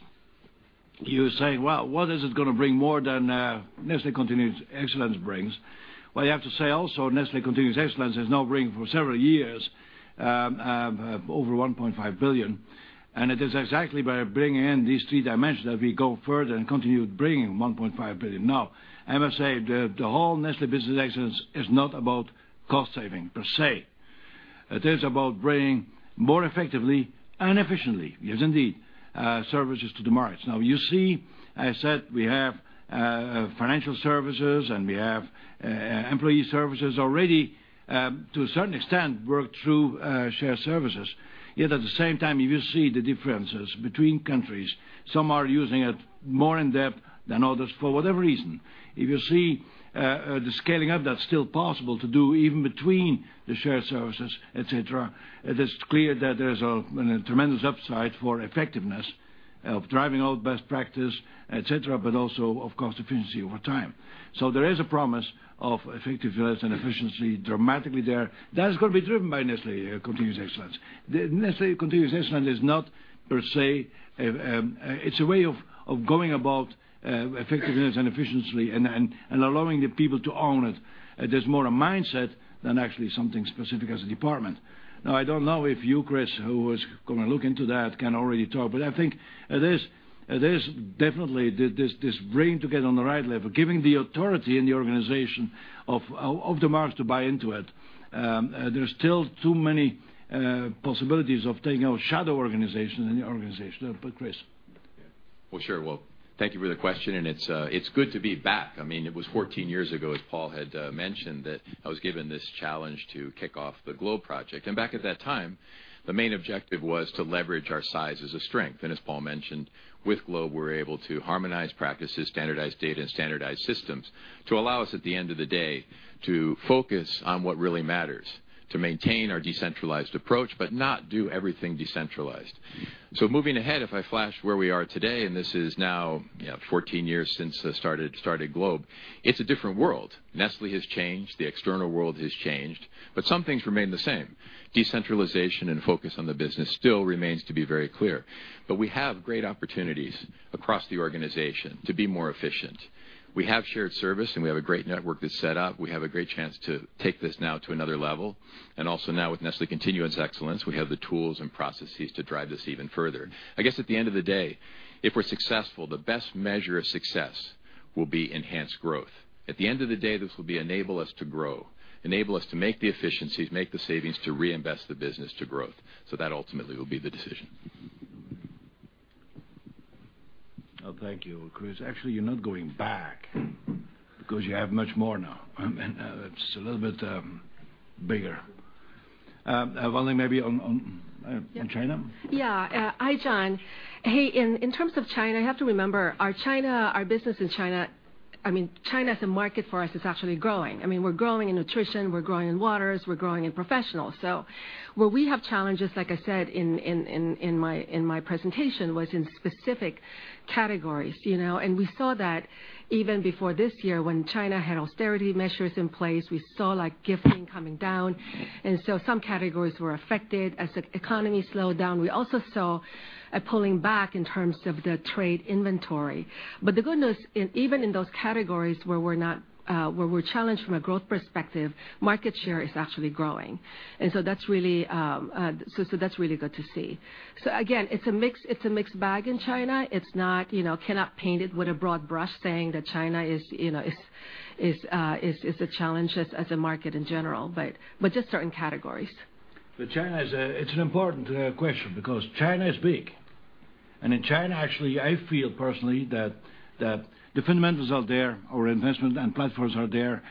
you're saying, well, what is it going to bring more than Nestlé Continuous Excellence brings? Well, you have to say also, Nestlé Continuous Excellence has now bringing for several years over 1.5 billion. It is exactly by bringing in these three dimensions that we go further and continue bringing 1.5 billion. I must say, the whole Nestlé Business Excellence is not about cost saving per se. It is about bringing more effectively and efficiently, yes indeed, services to the markets. You see, I said we have financial services and we have employee services already to a certain extent work through shared services. Yet at the same time, you will see the differences between countries. Some are using it more in-depth than others for whatever reason. If you see the scaling up, that's still possible to do even between the shared services, et cetera. It is clear that there's a tremendous upside for effectiveness of driving all best practice, et cetera, but also of cost efficiency over time. There is a promise of effectiveness and efficiency dramatically there. That is going to be driven by Nestlé Continuous Excellence. Nestlé Continuous Excellence is not per se. It's a way of going about effectiveness and efficiency and allowing the people to own it. It is more a mindset than actually something specific as a department. I don't know if you, Chris, who was going to look into that can already talk, but I think it is definitely this bringing together on the right level, giving the authority in the organization of the market to buy into it. There's still too many possibilities of taking out shadow organization in the organization. Chris. Sure. Well, thank you for the question, and it's good to be back. It was 14 years ago, as Paul had mentioned, that I was given this challenge to kick off the GLOBE project. Back at that time, the main objective was to leverage our size as a strength. As Paul mentioned, with GLOBE, we're able to harmonize practices, standardize data, and standardize systems to allow us at the end of the day to focus on what really matters, to maintain our decentralized approach, but not do everything decentralized. Moving ahead, if I flash where we are today, and this is now 14 years since I started GLOBE, it's a different world. Nestlé has changed. The external world has changed, but some things remain the same. Decentralization and focus on the business still remains to be very clear. We have great opportunities across the organization to be more efficient. We have shared service, and we have a great network that's set up. We have a great chance to take this now to another level. Also now with Nestlé Continuous Excellence, we have the tools and processes to drive this even further. I guess at the end of the day, if we're successful, the best measure of success will be enhanced growth. At the end of the day, this will enable us to grow, enable us to make the efficiencies, make the savings to reinvest the business to growth. That ultimately will be the decision. Thank you, Chris. Actually, you're not going back because you have much more now, and it's a little bit bigger. Wan Ling, maybe on China? Hi, Jon. In terms of China, you have to remember our business in China as a market for us is actually growing. We're growing in nutrition, we're growing in waters, we're growing in professional. Where we have challenges, like I said in my presentation, was in specific categories. We saw that even before this year when China had austerity measures in place, we saw gifting coming down. Some categories were affected as the economy slowed down. We also saw a pulling back in terms of the trade inventory. The good news, even in those categories where we're challenged from a growth perspective, market share is actually growing. That's really good to see. Again, it's a mixed bag in China. We cannot paint it with a broad brush saying that China is a challenge as a market in general, but just certain categories. China, it's an important question because China is big. In China, actually, I feel personally that the fundamentals are there, our investment and platforms are there.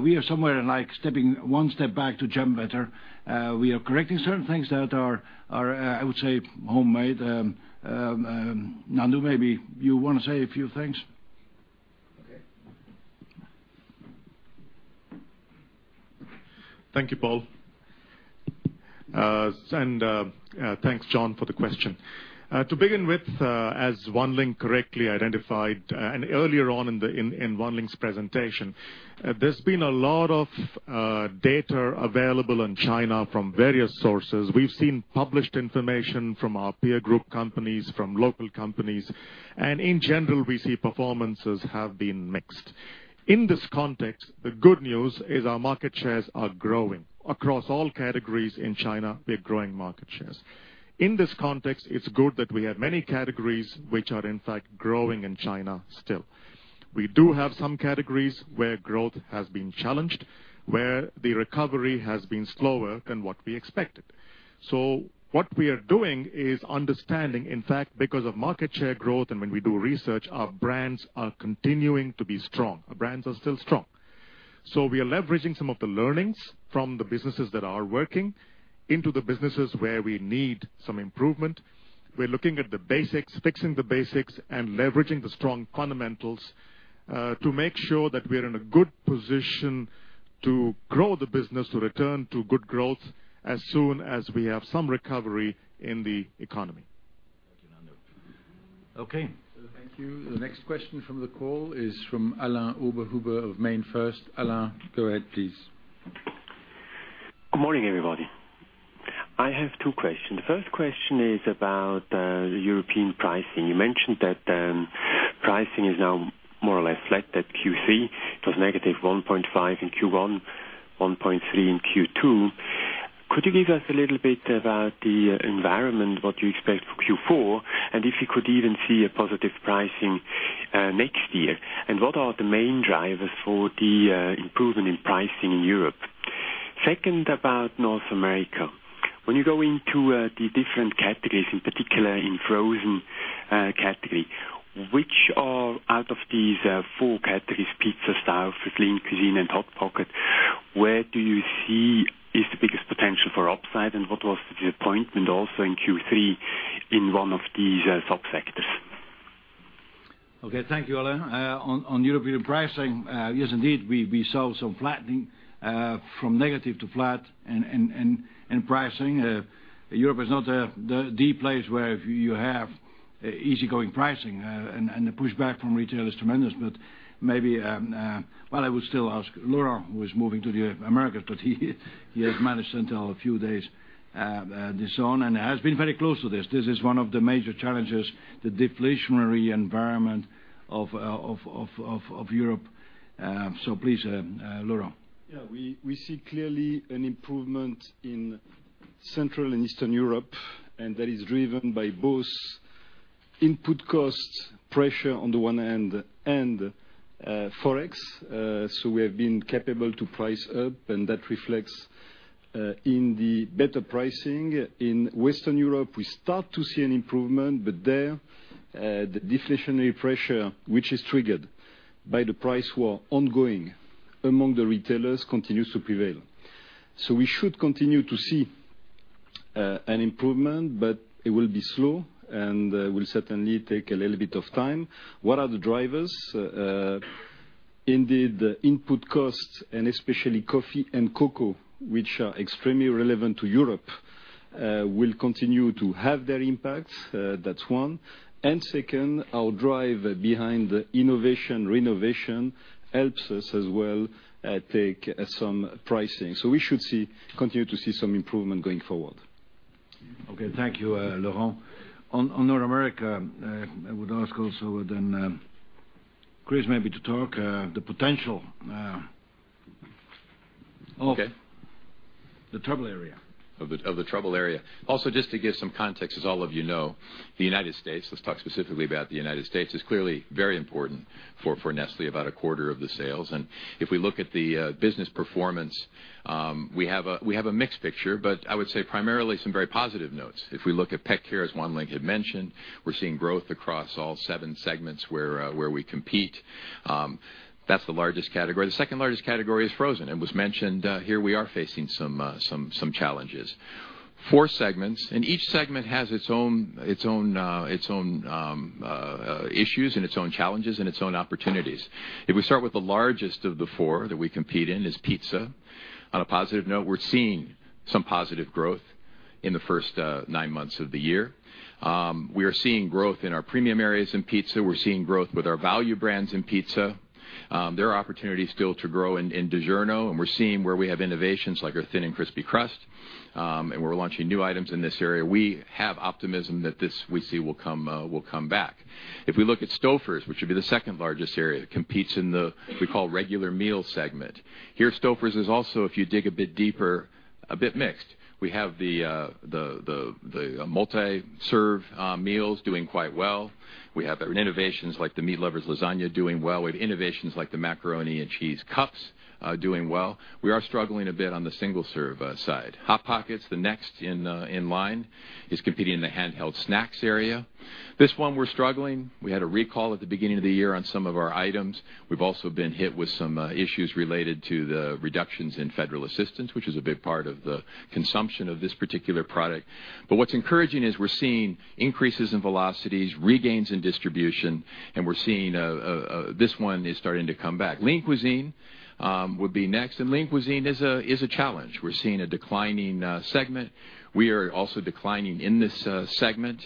We are somewhere in stepping one step back to jump better. We are correcting certain things that are, I would say, homemade. Nandu, maybe you want to say a few things? Thank you, Paul. Thanks, Jon, for the question. To begin with, as Wan Ling correctly identified, and earlier on in Wan Ling's presentation, there's been a lot of data available in China from various sources. We've seen published information from our peer group companies, from local companies, and in general, we see performances have been mixed. In this context, the good news is our market shares are growing. Across all categories in China, we are growing market shares. In this context, it's good that we have many categories which are in fact growing in China still. We do have some categories where growth has been challenged, where the recovery has been slower than what we expected. What we are doing is understanding, in fact, because of market share growth and when we do research, our brands are continuing to be strong. Our brands are still strong. We are leveraging some of the learnings from the businesses that are working into the businesses where we need some improvement. We are looking at the basics, fixing the basics, and leveraging the strong fundamentals, to make sure that we are in a good position to grow the business, to return to good growth as soon as we have some recovery in the economy. Thank you, Nandu. Okay. Thank you. The next question from the call is from Alain Oberhuber of MainFirst. Alain, go ahead, please. Good morning, everybody. I have two questions. The first question is about the European pricing. You mentioned that pricing is now more or less flat at Q3. It was -1.5% in Q1, +1.3% in Q2. Could you give us a little bit about the environment, what you expect for Q4, and if you could even see a positive pricing next year? What are the main drivers for the improvement in pricing in Europe? Second, about North America. When you go into the different categories, in particular in frozen category, which are out of these four categories, pizza style, Buitoni, Lean Cuisine, and Hot Pocket, where do you see is the biggest potential for upside? What was the disappointment also in Q3 in one of these subsectors? Okay. Thank you, Alain. On European pricing, indeed, we saw some flattening, from negative to flat in pricing. Europe is not the place where you have easygoing pricing, and the pushback from retail is tremendous. Maybe, well, I would still ask Laurent, who is moving to the Americas, but he has managed until a few days this zone and has been very close to this. This is one of the major challenges, the deflationary environment of Europe. Please, Laurent. We see clearly an improvement in Central and Eastern Europe, and that is driven by both input cost pressure on the one hand and FX. We have been capable to price up, and that reflects in the better pricing. In Western Europe, we start to see an improvement, but there, the deflationary pressure, which is triggered by the price war ongoing among the retailers, continues to prevail. We should continue to see an improvement, but it will be slow and will certainly take a little bit of time. What are the drivers? Indeed, the input costs and especially coffee and cocoa, which are extremely relevant to Europe, will continue to have their impacts. That's one. Second, our drive behind the innovation renovation helps us as well take some pricing. We should continue to see some improvement going forward. Okay. Thank you, Laurent. On North America, I would ask also then Chris maybe to talk the potential Okay The trouble area. Of the trouble area. Just to give some context, as all of you know, let's talk specifically about the U.S., is clearly very important for Nestlé, about a quarter of the sales. If we look at the business performance, we have a mixed picture, but I would say primarily some very positive notes. If we look at pet care, as Wan Ling had mentioned, we're seeing growth across all seven segments where we compete. That's the largest category. The second largest category is frozen, and was mentioned. Here we are facing some challenges. Four segments, each segment has its own issues and its own challenges and its own opportunities. If we start with the largest of the four that we compete in, is pizza. On a positive note, we're seeing some positive growth in the first nine months of the year. We are seeing growth in our premium areas in pizza. We're seeing growth with our value brands in pizza. There are opportunities still to grow in DiGiorno, we're seeing where we have innovations like our thin and crispy crust, we're launching new items in this area. We have optimism that this, we see, will come back. If we look at Stouffer's, which would be the second largest area that competes in the, we call regular meal segment. Here Stouffer's is also, if you dig a bit deeper, a bit mixed. We have the multi-serve meals doing quite well. We have innovations like the meat lovers lasagna doing well. We have innovations like the macaroni and cheese cups doing well. We are struggling a bit on the single-serve side. Hot Pockets, the next in line, is competing in the handheld snacks area. This one we're struggling. We had a recall at the beginning of the year on some of our items. We've also been hit with some issues related to the reductions in federal assistance, which is a big part of the consumption of this particular product. What's encouraging is we're seeing increases in velocities, regains in distribution, we're seeing this one is starting to come back. Lean Cuisine would be next, Lean Cuisine is a challenge. We're seeing a declining segment. We are also declining in this segment.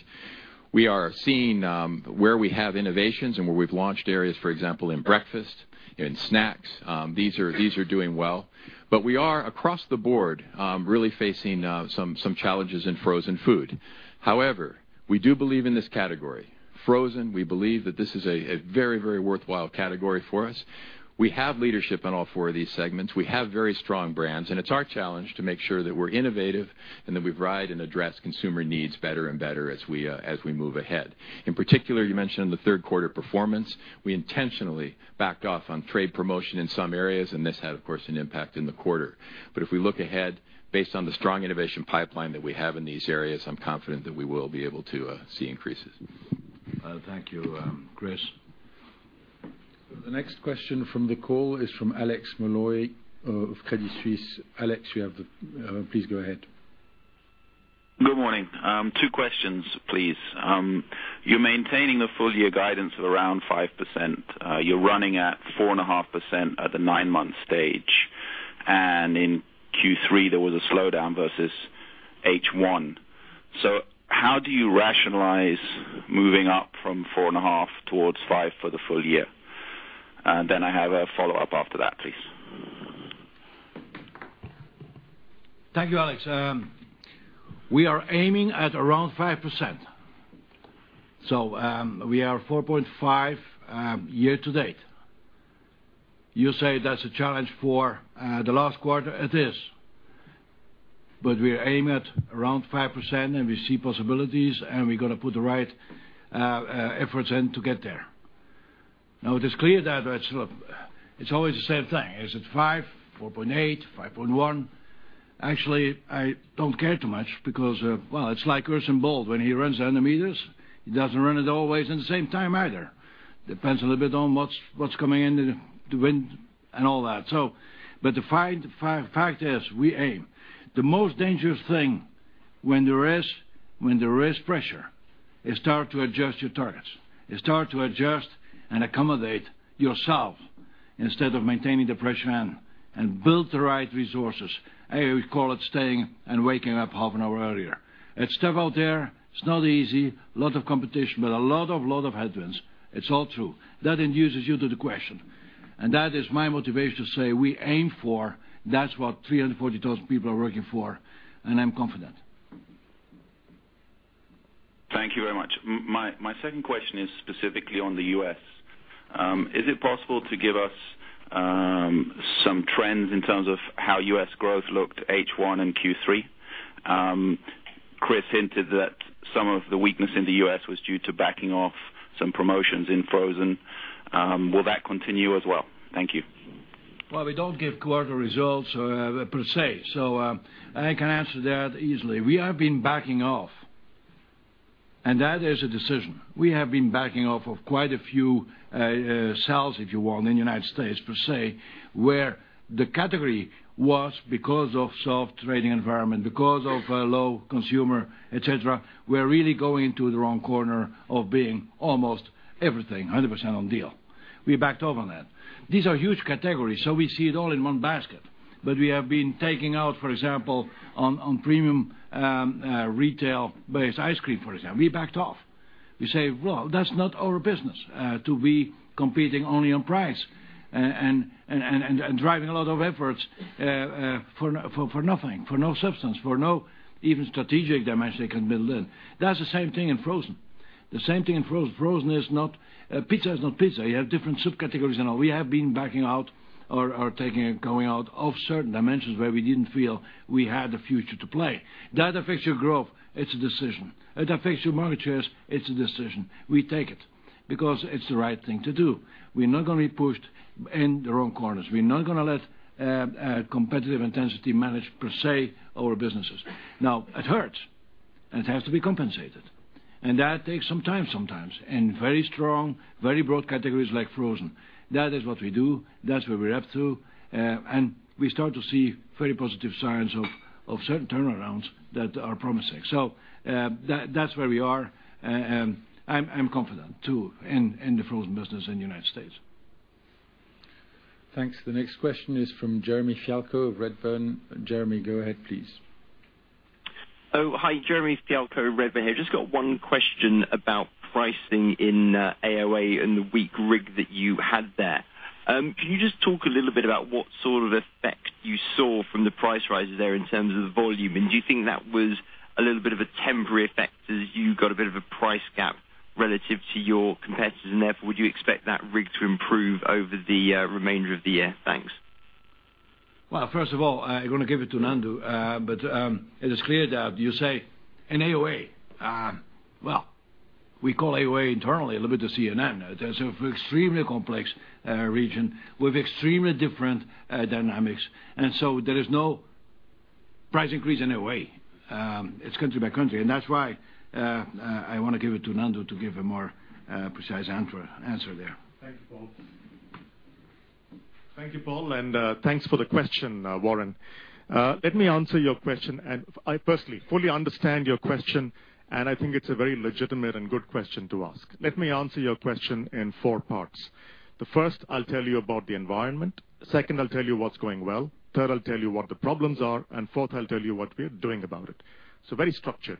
We are seeing where we have innovations where we've launched areas, for example, in breakfast, in snacks. These are doing well. We are, across the board, really facing some challenges in frozen food. However, we do believe in this category. Frozen, we believe that this is a very worthwhile category for us. We have leadership in all four of these segments. We have very strong brands. It's our challenge to make sure that we're innovative and that we ride and address consumer needs better and better as we move ahead. In particular, you mentioned the 3rd quarter performance. We intentionally backed off on trade promotion in some areas. This had, of course, an impact in the quarter. If we look ahead, based on the strong innovation pipeline that we have in these areas, I'm confident that we will be able to see increases. Thank you, Chris. The next question from the call is from Alexia Howard of Credit Suisse. Alex, please go ahead. Good morning. Two questions, please. You're maintaining a full year guidance of around 5%. You're running at 4.5% at the 9-month stage. In Q3, there was a slowdown versus H1. How do you rationalize moving up from 4.5% towards 5% for the full year? I have a follow-up after that, please. Thank you, Alex. We are aiming at around 5%. We are 4.5% year to date. You say that's a challenge for the last quarter, it is. We aim at around 5% and we see possibilities, and we're going to put the right efforts in to get there. It is clear that it's always the same thing. Is it 5%, 4.8%, 5.1%? Actually, I don't care too much because, well, it's like Usain Bolt when he runs 100 meters, he doesn't run it always in the same time either. Depends a little bit on what's coming in, the wind, and all that. The fact is, we aim. The most dangerous thing when there is pressure, you start to adjust your targets. You start to adjust and accommodate yourself instead of maintaining the pressure and build the right resources. I would call it staying and waking up half an hour earlier. It's tough out there. It's not easy. A lot of competition, but a lot of headwinds. It's all true. That induces you to the question. That is my motivation to say we aim for, that's what 340,000 people are working for, and I'm confident. Thank you very much. My second question is specifically on the U.S. Is it possible to give us some trends in terms of how U.S. growth looked H1 in Q3? Chris hinted that some of the weakness in the U.S. was due to backing off some promotions in frozen. Will that continue as well? Thank you. Well, we don't give quarter results per se, so I can answer that easily. We have been backing off, and that is a decision. We have been backing off of quite a few sales, if you want, in the U.S., per se, where the category was because of soft trading environment, because of low consumer, et cetera. We're really going into the wrong corner of being almost everything, 100% on deal. We backed off on that. These are huge categories, so we see it all in one basket. We have been taking out, for example, on premium retail-based ice cream, for example, we backed off. We say, well, that's not our business to be competing only on price and driving a lot of efforts for nothing, for no substance, for no even strategic dimension can be learned. That's the same thing in frozen. Pizza is not pizza. It hurts, and it has to be compensated. That takes some time sometimes in very strong, very broad categories like frozen. That is what we do. That's where we're up to. We start to see very positive signs of certain turnarounds that are promising. That's where we are. I'm confident too, in the frozen business in the U.S. Thanks. The next question is from Jeremy Fialko of Redburn. Jeremy, go ahead please. Hi. Jeremy Fialko, Redburn here. Just got one question about pricing in AoA and the weak RIG that you had there. Can you just talk a little bit about what sort of effect you saw from the price rises there in terms of volume? Do you think that was a little bit of a temporary effect as you got a bit of a price gap relative to your competitors? Therefore, would you expect that RIG to improve over the remainder of the year? Thanks. First of all, I'm going to give it to Nandu. It is clear that you say in AoA. We call AoA internally a little bit of CNN. That's an extremely complex region with extremely different dynamics. There is no price increase in AoA. It's country by country. That's why, I want to give it to Nandu to give a more precise answer there. Thank you, Paul. Thank you, Paul, and thanks for the question, Warren. Let me answer your question, and I personally fully understand your question, and I think it's a very legitimate and good question to ask. Let me answer your question in four parts. The first, I'll tell you about the environment. Second, I'll tell you what's going well. Third, I'll tell you what the problems are, and fourth, I'll tell you what we're doing about it. Very structured.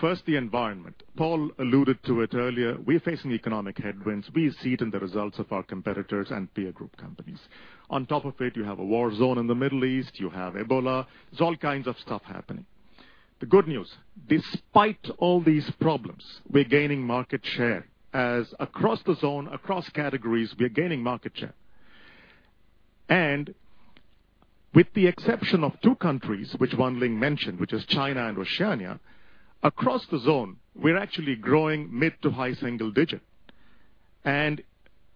First, the environment. Paul alluded to it earlier. We're facing economic headwinds. We see it in the results of our competitors and peer group companies. On top of it, you have a war zone in the Middle East, you have Ebola. There's all kinds of stuff happening. The good news, despite all these problems, we're gaining market share across the zone, across categories. With the exception of two countries, which Wan Ling mentioned, which is China and Oceania, across the zone, we're actually growing mid to high single digit. When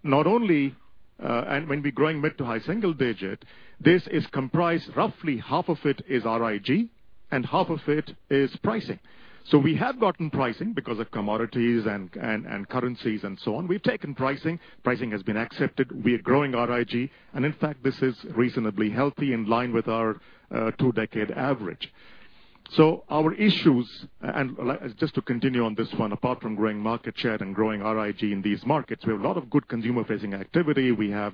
we're growing mid to high single digit, this is comprised roughly half of it is RIG and half of it is pricing. We have gotten pricing because of commodities and currencies and so on. We've taken pricing. Pricing has been accepted. We are growing RIG. In fact, this is reasonably healthy in line with our two-decade average. Our issues, and just to continue on this one, apart from growing market share and growing RIG in these markets, we have a lot of good consumer-facing activity. We have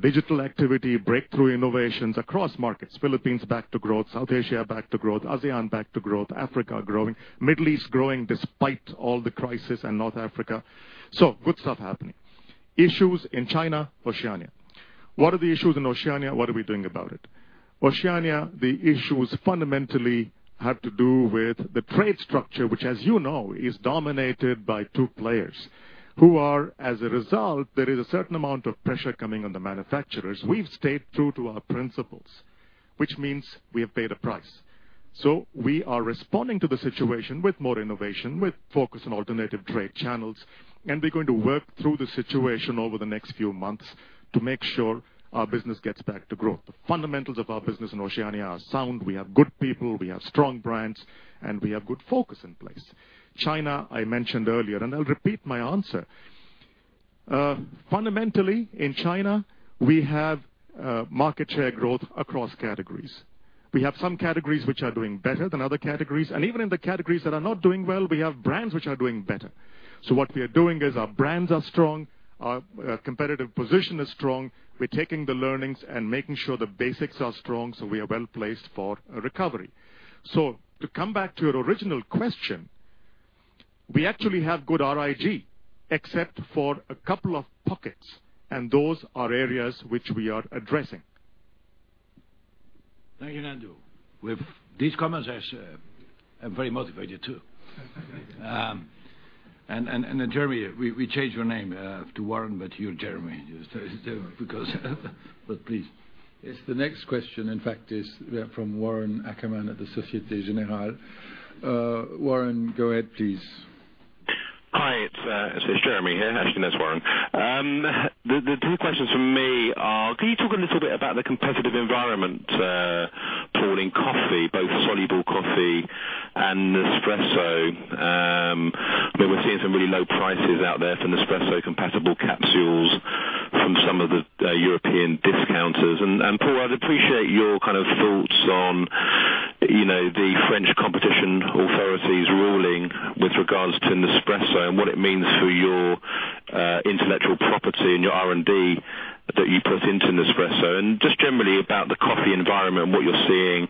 digital activity, breakthrough innovations across markets. Philippines back to growth, South Asia back to growth, ASEAN back to growth, Africa growing, Middle East growing despite all the crisis in North Africa. Good stuff happening. Issues in China, Oceania. What are the issues in Oceania? What are we doing about it? Oceania, the issues fundamentally have to do with the trade structure, which as you know, is dominated by two players who are, as a result, there is a certain amount of pressure coming on the manufacturers. We've stayed true to our principles, which means we have paid a price. We are responding to the situation with more innovation, with focus on alternative trade channels, and we're going to work through the situation over the next few months to make sure our business gets back to growth. The fundamentals of our business in Oceania are sound. We have good people, we have strong brands, and we have good focus in place. China, I mentioned earlier, and I'll repeat my answer. Fundamentally, in China, we have market share growth across categories. We have some categories which are doing better than other categories, and even in the categories that are not doing well, we have brands which are doing better. What we are doing is our brands are strong, our competitive position is strong. We're taking the learnings and making sure the basics are strong so we are well-placed for a recovery. To come back to your original question, we actually have good RIG except for a couple of pockets, and those are areas which we are addressing. Thank you, Nandu. With these comments, I am very motivated too. Jeremy, we changed your name to Warren, but you're Jeremy. Please. Yes. The next question, in fact, is from Warren Ackerman of Société Générale. Warren, go ahead please. Hi, it's Jeremy here. Actually, that's Warren. The two questions from me are, can you talk a little bit about the competitive environment, Paul, in coffee, both soluble coffee and Nespresso? We're seeing some really low prices out there for Nespresso compatible capsules from some of the European discounters. Paul, I'd appreciate your kind of thoughts on the French competition authorities ruling with regards to Nespresso and what it means for your intellectual property and your R&D that you put into Nespresso. Just generally about the coffee environment and what you're seeing.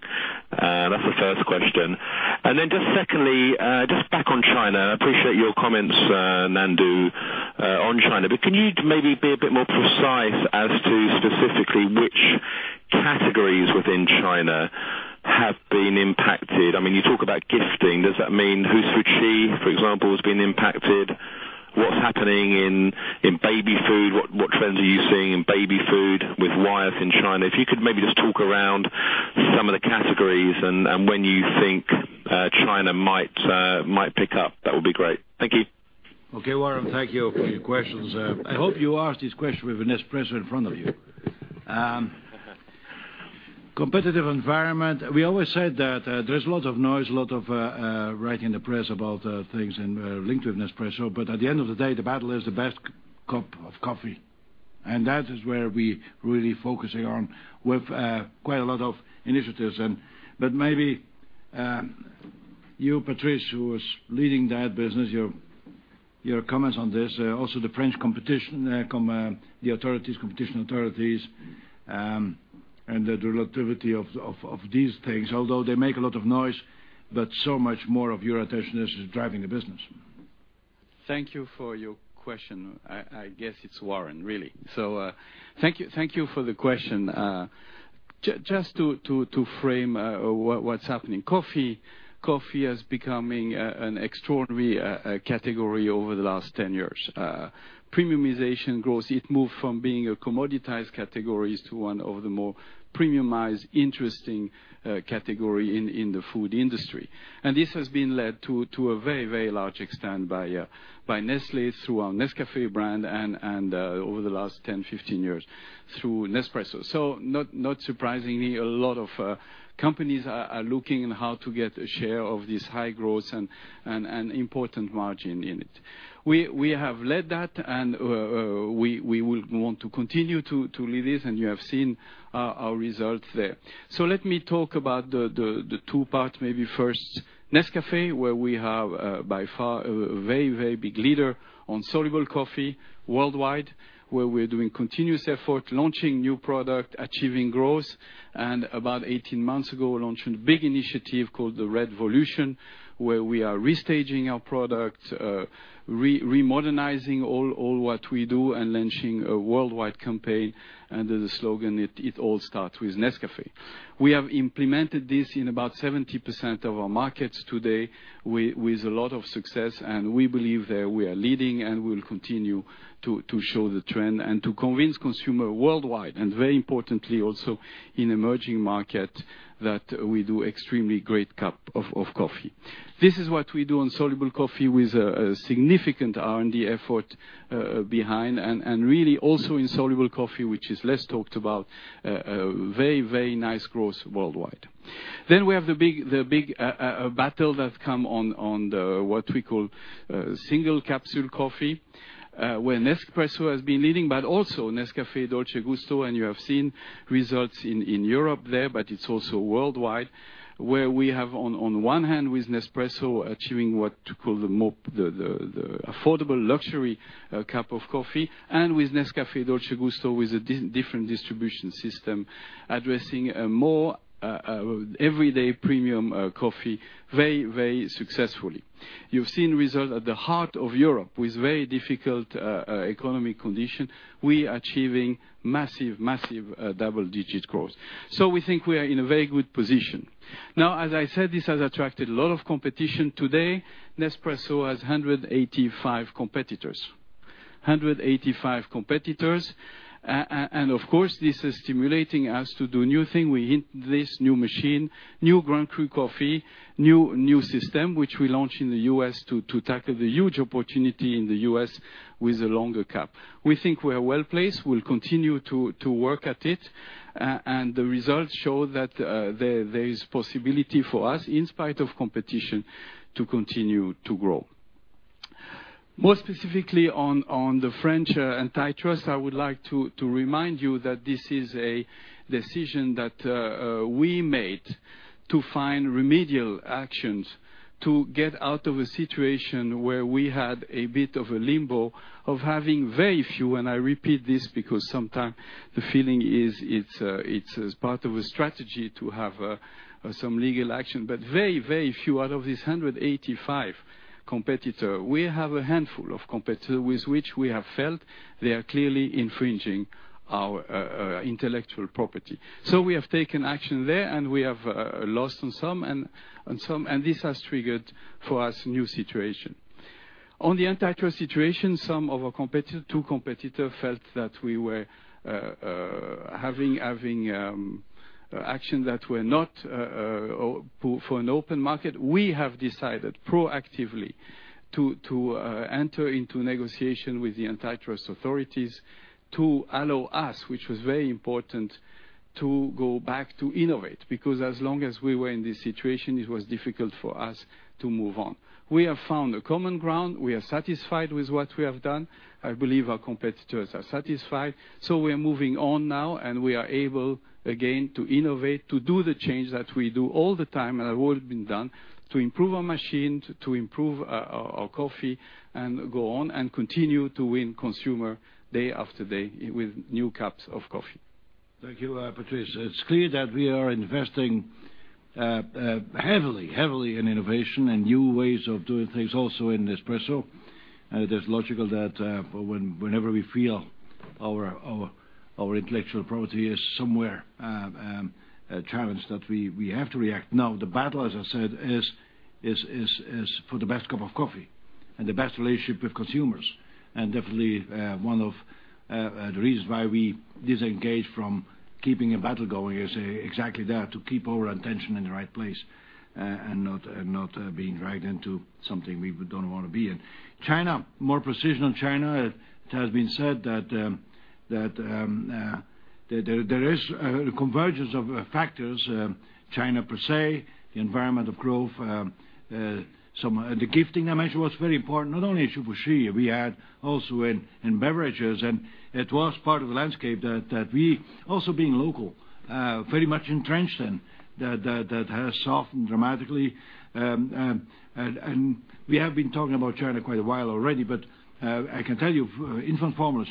That's the first question. Then just secondly, just back on China, appreciate your comments, Nandu, on China, can you maybe be a bit more precise as to specifically which categories within China have been impacted? You talk about gifting, does that mean Hsu Fu Chi, for example, has been impacted? What's happening in baby food? What trends are you seeing in baby food with Wyeth in China? If you could maybe just talk around some of the categories and when you think China might pick up, that would be great. Thank you. Warren, thank you for your questions. I hope you ask this question with a Nespresso in front of you. Competitive environment, we always said that there's a lot of noise, a lot of writing in the press about things linked with Nespresso. At the end of the day, the battle is the best cup of coffee, and that is where we're really focusing on with quite a lot of initiatives. Maybe you, Patrice, who is leading that business, your comments on this, also the French competition, the authorities, competition authorities, and the relativity of these things. Although they make a lot of noise, so much more of your attention is just driving the business. Thank you for your question. I guess it's Warren, really. Thank you for the question. Just to frame what's happening. Coffee is becoming an extraordinary category over the last 10 years. Premiumization growth, it moved from being a commoditized category to one of the more premiumized, interesting category in the food industry. This has been led to a very large extent by Nestlé through our Nescafé brand and over the last 10, 15 years, through Nespresso. Not surprisingly, a lot of companies are looking how to get a share of this high growth and important margin in it. We have led that, and we want to continue to lead this, and you have seen our results there. Let me talk about the two parts, maybe first Nescafé, where we have, by far, a very big leader on soluble coffee worldwide, where we're doing continuous effort launching new product, achieving growth, and about 18 months ago, launching a big initiative called the REDvolution, where we are restaging our product, remodernizing all what we do, and launching a worldwide campaign under the slogan, "It all starts with Nescafé." We have implemented this in about 70% of our markets today with a lot of success, and we believe that we are leading and we'll continue to show the trend and to convince consumer worldwide, and very importantly also in emerging market, that we do extremely great cup of coffee. This is what we do on soluble coffee with a significant R&D effort behind, and really also in soluble coffee, which is less talked about, very nice growth worldwide. We have the big battle that come on the, what we call single capsule coffee, where Nespresso has been leading, but also Nescafé Dolce Gusto, and you have seen results in Europe there, but it's also worldwide, where we have, on one hand with Nespresso, achieving what to call the affordable luxury cup of coffee, and with Nescafé Dolce Gusto, with a different distribution system, addressing a more everyday premium coffee very successfully. You've seen result at the heart of Europe with very difficult economic condition. We are achieving massive double-digit growth. We think we are in a very good position. Now, as I said, this has attracted a lot of competition. Today, Nespresso has 185 competitors. Of course, this is stimulating us to do new thing. We hint this new machine, new Grand Cru coffee, new system, which we launch in the U.S. to tackle the huge opportunity in the U.S. with a longer cap. We think we're well-placed. We'll continue to work at it, and the results show that there is possibility for us, in spite of competition, to continue to grow. More specifically on the French antitrust, I would like to remind you that this is a decision that we made to find remedial actions to get out of a situation where we had a bit of a limbo of having very few, and I repeat this because sometimes the feeling is it's as part of a strategy to have some legal action. Very few out of these 185 competitor, we have a handful of competitor with which we have felt they are clearly infringing our intellectual property. We have taken action there, and we have lost on some, and this has triggered for us new situation. On the antitrust situation, some of our two competitor felt that we were having action that were not for an open market. We have decided proactively to enter into negotiation with the antitrust authorities to allow us, which was very important, to go back to innovate, because as long as we were in this situation, it was difficult for us to move on. We have found a common ground. We are satisfied with what we have done. I believe our competitors are satisfied. We are moving on now, and we are able, again, to innovate, to do the change that we do all the time and have all been done to improve our machine, to improve our coffee and go on and continue to win consumer day after day with new cups of coffee. Thank you, Patrice. It's clear that we are investing heavily in innovation and new ways of doing things also in Nespresso. It is logical that whenever we feel our intellectual property is somewhere challenged, that we have to react. Now, the battle, as I said, is for the best cup of coffee and the best relationship with consumers. Definitely, one of the reasons why we disengage from keeping a battle going is exactly that, to keep our attention in the right place and not being dragged into something we don't want to be in. China, more precision on China, it has been said that there is a convergence of factors, China per se, the environment of growth. The gifting I mentioned was very important, not only at Hsu Fu Chi, we had also in beverages, and it was part of the landscape that we also, being local, very much entrenched in, that has softened dramatically. We have been talking about China quite a while already, but I can tell you, infant formulas,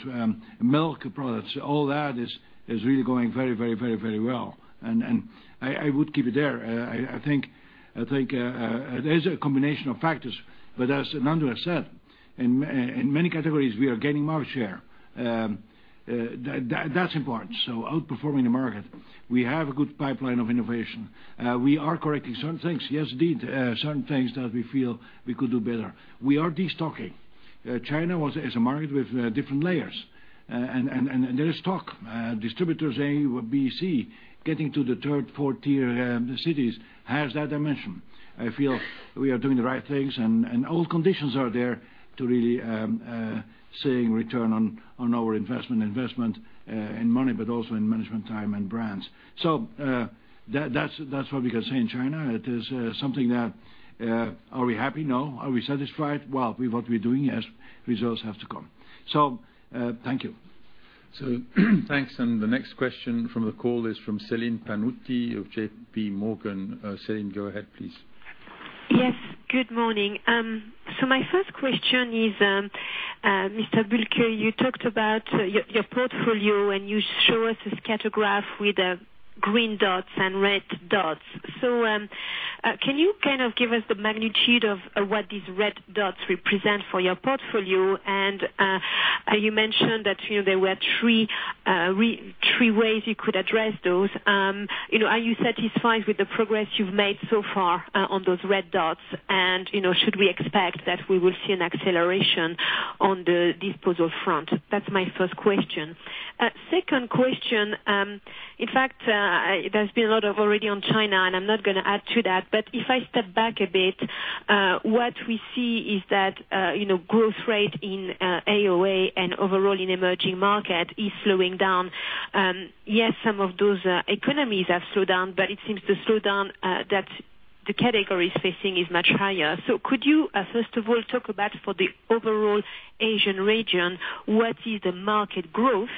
milk products, all that is really going very well. I would keep it there. I think there is a combination of factors, but as Nandu has said, in many categories, we are gaining market share. That is important. Outperforming the market. We have a good pipeline of innovation. We are correcting certain things. Yes, indeed, certain things that we feel we could do better. We are destocking. China is a market with different layers. There is stock. Distributors A, B, C, getting to the third, fourth tier cities has that dimension. I feel we are doing the right things and all conditions are there to really seeing return on our investment in money, but also in management time and brands. That is what we can say in China. It is something that, are we happy? No. Are we satisfied? Well, with what we are doing, yes. Results have to come. Thank you. Thanks. The next question from the call is from Celine Pannuti of J.P. Morgan. Celine, go ahead, please. Yes, good morning. My first question is, Mr. Bulcke, you talked about your portfolio, and you show us this scatter graph with green dots and red dots. Can you kind of give us the magnitude of what these red dots represent for your portfolio? You mentioned that there were three ways you could address those. Are you satisfied with the progress you have made so far on those red dots? Should we expect that we will see an acceleration on the disposal front? That is my first question. Second question, in fact, there has been a lot already on China, and I am not going to add to that, but if I step back a bit, what we see is that growth rate in AoA and overall in emerging market is slowing down. Yes, some of those economies have slowed down, but it seems the slowdown that the category is facing is much higher. Could you, first of all, talk about for the overall Asian region, what is the market growth?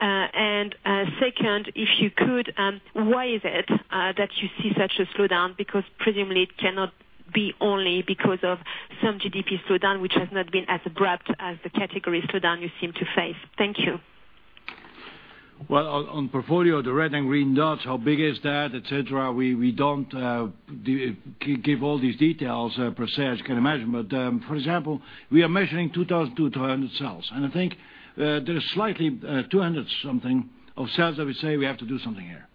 Second, if you could, why is it that you see such a slowdown? Because presumably it cannot be only because of some GDP slowdown, which has not been as abrupt as the category slowdown you seem to face. Thank you. Well, on portfolio, the red and green dots, how big is that, et cetera, we don't give all these details per se, as you can imagine. For example, we are measuring 2,200 cells. I think there is slightly 200 something of cells that we say we have to do something here.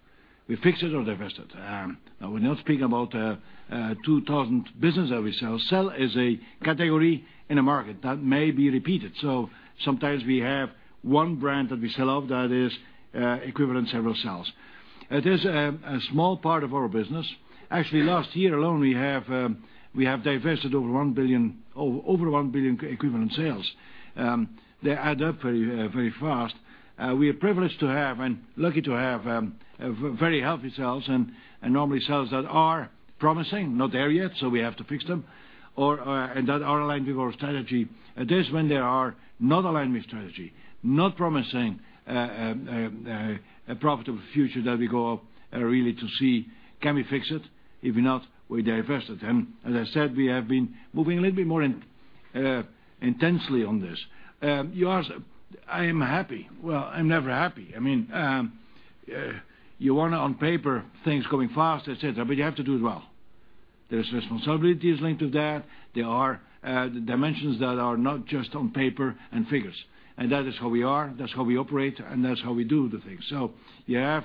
We fix it or divest it. Now we're not speaking about 2,000 business that we sell. Cell is a category in a market that may be repeated. Sometimes we have one brand that we sell off that is equivalent several cells. It is a small part of our business. Actually, last year alone, we have divested over 1 billion equivalent sales. They add up very fast. We are privileged to have and lucky to have very healthy cells, and normally cells that are promising, not there yet, so we have to fix them, and that are aligned with our strategy. It is when they are not aligned with strategy, not promising a profitable future that we go up really to see, can we fix it? If not, we divest it. As I said, we have been moving a little bit more intensely on this. I am happy. Well, I'm never happy. You want to, on paper, things going fast, et cetera, but you have to do it well. There's responsibilities linked to that. There are dimensions that are not just on paper and figures. That is how we are, that's how we operate, and that's how we do the things. You have,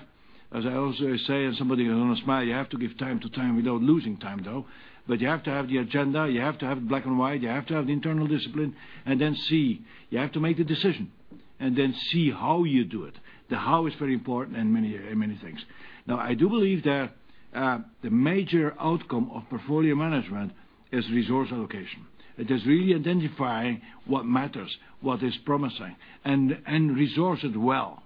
as I also say, and somebody is going to smile, you have to give time to time without losing time, though. You have to have the agenda, you have to have black and white, you have to have the internal discipline, and then see. You have to make the decision, and then see how you do it. The how is very important in many things. Now, I do believe that the major outcome of portfolio management is resource allocation. It is really identifying what matters, what is promising, and resource it well.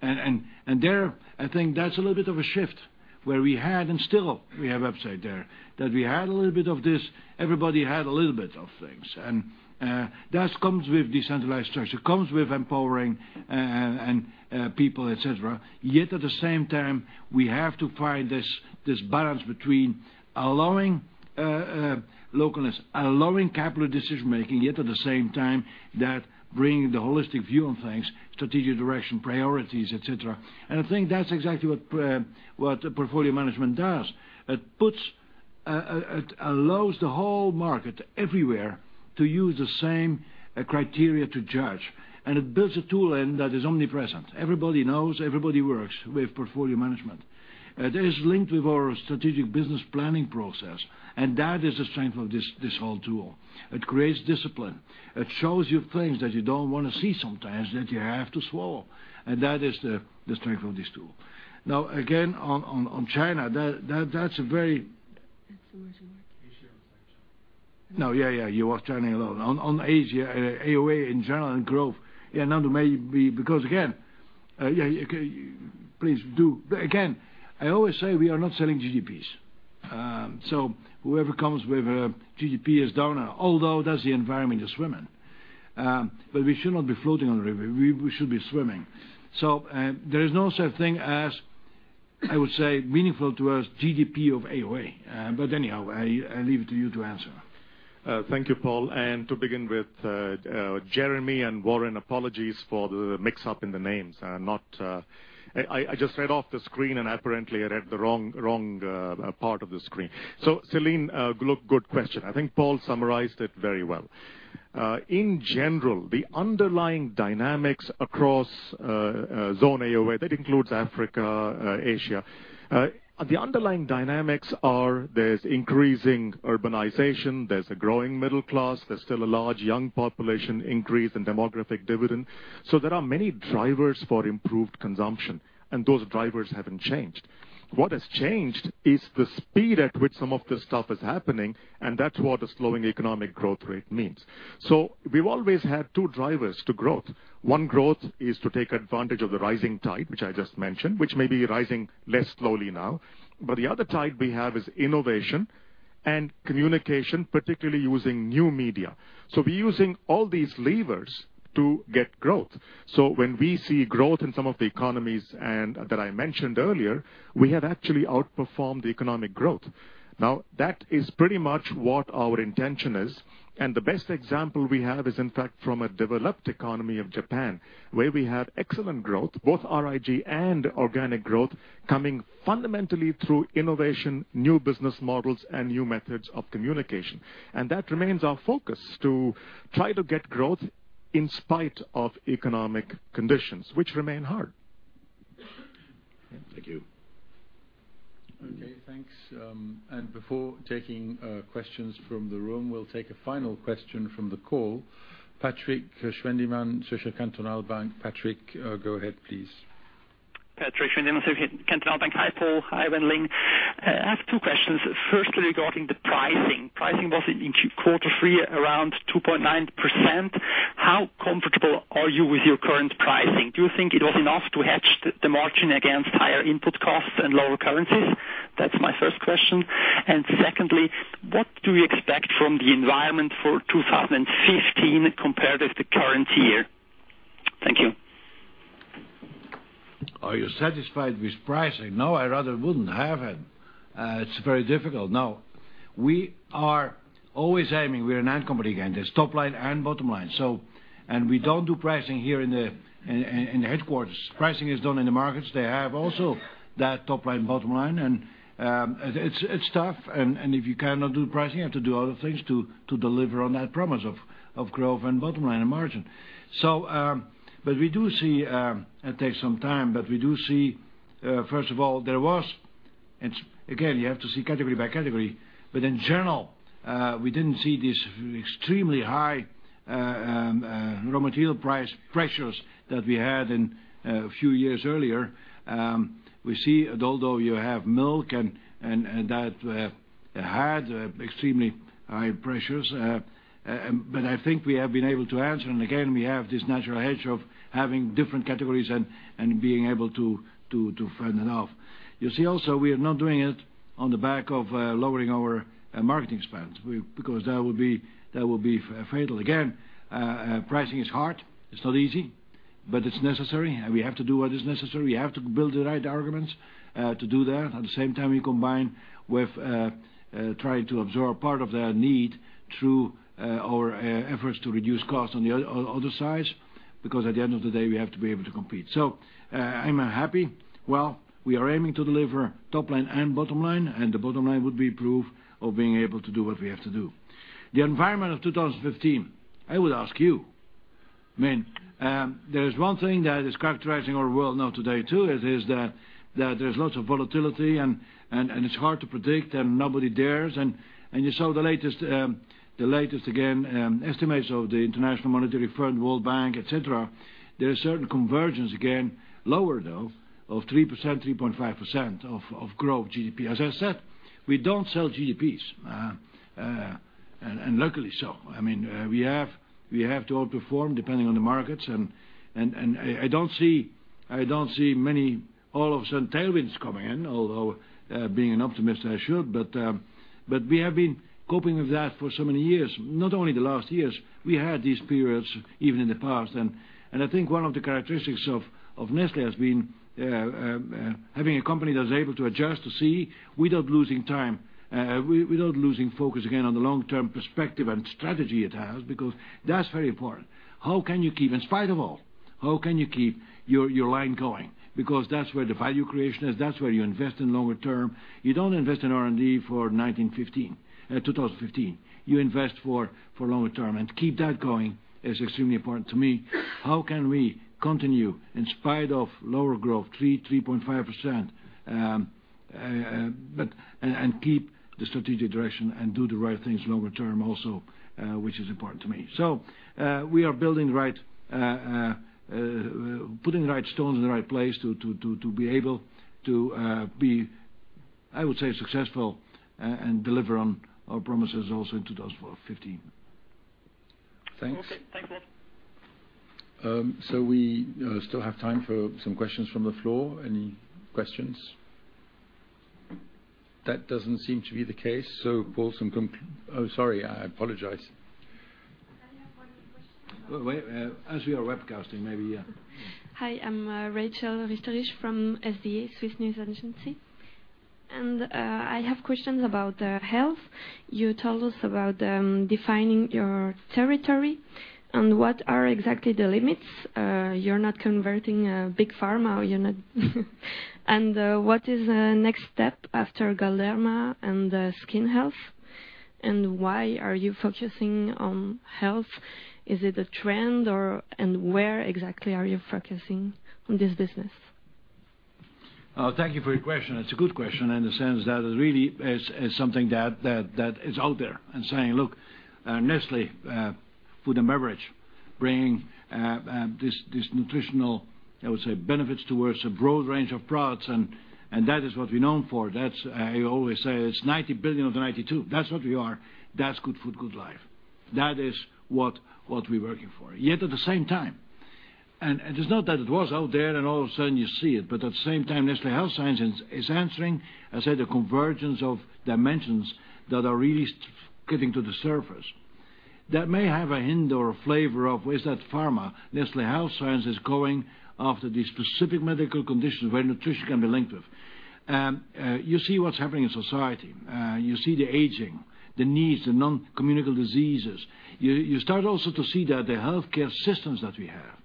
There, I think that's a little bit of a shift, where we had, and still we have upside there. That we had a little bit of this, everybody had a little bit of things. That comes with decentralized structure, comes with empowering people, et cetera. At the same time, we have to find this balance between allowing localness, allowing capital decision making, yet at the same time that bringing the holistic view on things, strategic direction, priorities, et cetera. I think that's exactly what portfolio management does. It allows the whole market everywhere to use the same criteria to judge, and it builds a tool that is omnipresent. Everybody knows, everybody works with portfolio management. That is linked with our strategic business planning process, and that is the strength of this whole tool. It creates discipline. It shows you things that you don't want to see sometimes that you have to swallow, and that is the strength of this tool. Again, on China, that's a very- That's the words you were looking for. Asia and China. No, yeah. You were turning a lot. On Asia, AOA in general, and growth. Nandu maybe, because again-- Please do. I always say we are not selling GDPs. Whoever comes with a GDP is down, although that's the environment you're swimming. We should not be floating on the river. We should be swimming. There is no such thing as, I would say, meaningful to us, GDP of AOA. Anyhow, I leave it to you to answer. Thank you, Paul. To begin with, Jeremy and Warren, apologies for the mix-up in the names. I just read off the screen, and apparently, I read the wrong part of the screen. Celine, good question. I think Paul summarized it very well. In general, the underlying dynamics across Zone AoA, that includes Africa, Asia. The underlying dynamics are there's increasing urbanization, there's a growing middle class, there's still a large young population increase in demographic dividend. There are many drivers for improved consumption, and those drivers haven't changed. What has changed is the speed at which some of this stuff is happening, and that's what a slowing economic growth rate means. We've always had two drivers to growth. One growth is to take advantage of the rising tide, which I just mentioned, which may be rising less slowly now. The other tide we have is innovation and communication, particularly using new media. We're using all these levers to get growth. When we see growth in some of the economies that I mentioned earlier, we have actually outperformed the economic growth. Now, that is pretty much what our intention is, and the best example we have is in fact from a developed economy of Japan, where we have excellent growth, both RIG and organic growth, coming fundamentally through innovation, new business models, and new methods of communication. That remains our focus to try to get growth in spite of economic conditions, which remain hard. Thank you. Okay, thanks. Before taking questions from the room, we'll take a final question from the call. Patrik Schwendimann, Zürcher Kantonalbank. Patrik, go ahead, please. Patrik Schwendimann, Zürcher Kantonalbank. Hi, Paul. Hi, Wan Ling. I have two questions. Firstly, regarding the pricing. Pricing was in Q3 around 2.9%. How comfortable are you with your current pricing? Do you think it was enough to hedge the margin against higher input costs and lower currencies? That's my first question. Secondly, what do you expect from the environment for 2015 compared with the current year? Thank you. Are you satisfied with pricing? No, I rather wouldn't have it. It's very difficult. We are always aiming, we're a company. Again, there's top line and bottom line. We don't do pricing here in the headquarters. Pricing is done in the markets. They have also that top line, bottom line, and it's tough. If you cannot do pricing, you have to do other things to deliver on that promise of growth and bottom line and margin. We do see, it takes some time, we do see, first of all, there was. Again, you have to see category by category. In general, we didn't see these extremely high raw material price pressures that we had a few years earlier. We see although you have milk and that had extremely high pressures. I think we have been able to answer, and again, we have this natural hedge of having different categories and being able to fend that off. You see also we are not doing it on the back of lowering our marketing expense, because that would be fatal. Again, pricing is hard. It's not easy, but it's necessary, and we have to do what is necessary. We have to build the right arguments to do that. At the same time, we combine with trying to absorb part of the need through our efforts to reduce costs on the other sides, because at the end of the day, we have to be able to compete. I'm happy. Well, we are aiming to deliver top line and bottom line, and the bottom line would be proof of being able to do what we have to do. The environment of 2015, I would ask you. There is one thing that is characterizing our world now today too, is that there's lots of volatility and it's hard to predict and nobody dares. You saw the latest, again, estimates of the International Monetary Fund, World Bank, et cetera. There are certain convergence, again, lower though, of 3%, 3.5% of growth GDP. As I said, we don't sell GDPs, and luckily so. We have to outperform depending on the markets, and I don't see many all of a sudden tailwinds coming in, although being an optimist, I should. We have been coping with that for so many years, not only the last years. We had these periods even in the past. I think one of the characteristics of Nestlé has been having a company that's able to adjust to see without losing time, without losing focus, again, on the long-term perspective and strategy it has, because that's very important. In spite of all, how can you keep your line going? Because that's where the value creation is. That's where you invest in longer term. You don't invest in R&D for 2015. You invest for longer term, and to keep that going is extremely important to me. How can we continue in spite of lower growth, 3%, 3.5%, and keep the strategic direction and do the right things longer term also, which is important to me. We are putting the right stones in the right place to be able to be, I would say, successful and deliver on our promises also in 2015. Thanks. Okay. Thanks, Paul. We still have time for some questions from the floor. Any questions? That doesn't seem to be the case. Paul, Oh, sorry. I apologize. I have one question. Wait, as we are webcasting. Hi, I'm Rachel Richterich from SDA Swiss News Agency. I have questions about health. You told us about defining your territory and what are exactly the limits. You're not converting big pharma. What is the next step after Galderma and skin health? Why are you focusing on health? Is it a trend? Where exactly are you focusing on this business? Thank you for your question. It's a good question in the sense that it really is something that is out there and saying, look, Nestlé food and beverage, bringing this nutritional, I would say, benefits towards a broad range of products, that is what we're known for. I always say it's 90 billion of the 92 billion. That's what we are. That's Good Food, Good Life. That is what we're working for. Yet at the same time, it's not that it was out there, all of a sudden you see it, at the same time, Nestlé Health Science is answering, as I said, the convergence of dimensions that are really getting to the surface. That may have a hint or a flavor of is that pharma? Nestlé Health Science is going after the specific medical conditions where nutrition can be linked with. You see what's happening in society. You see the aging, the needs, the non-communicable diseases. You start also to see that the healthcare systems that we have,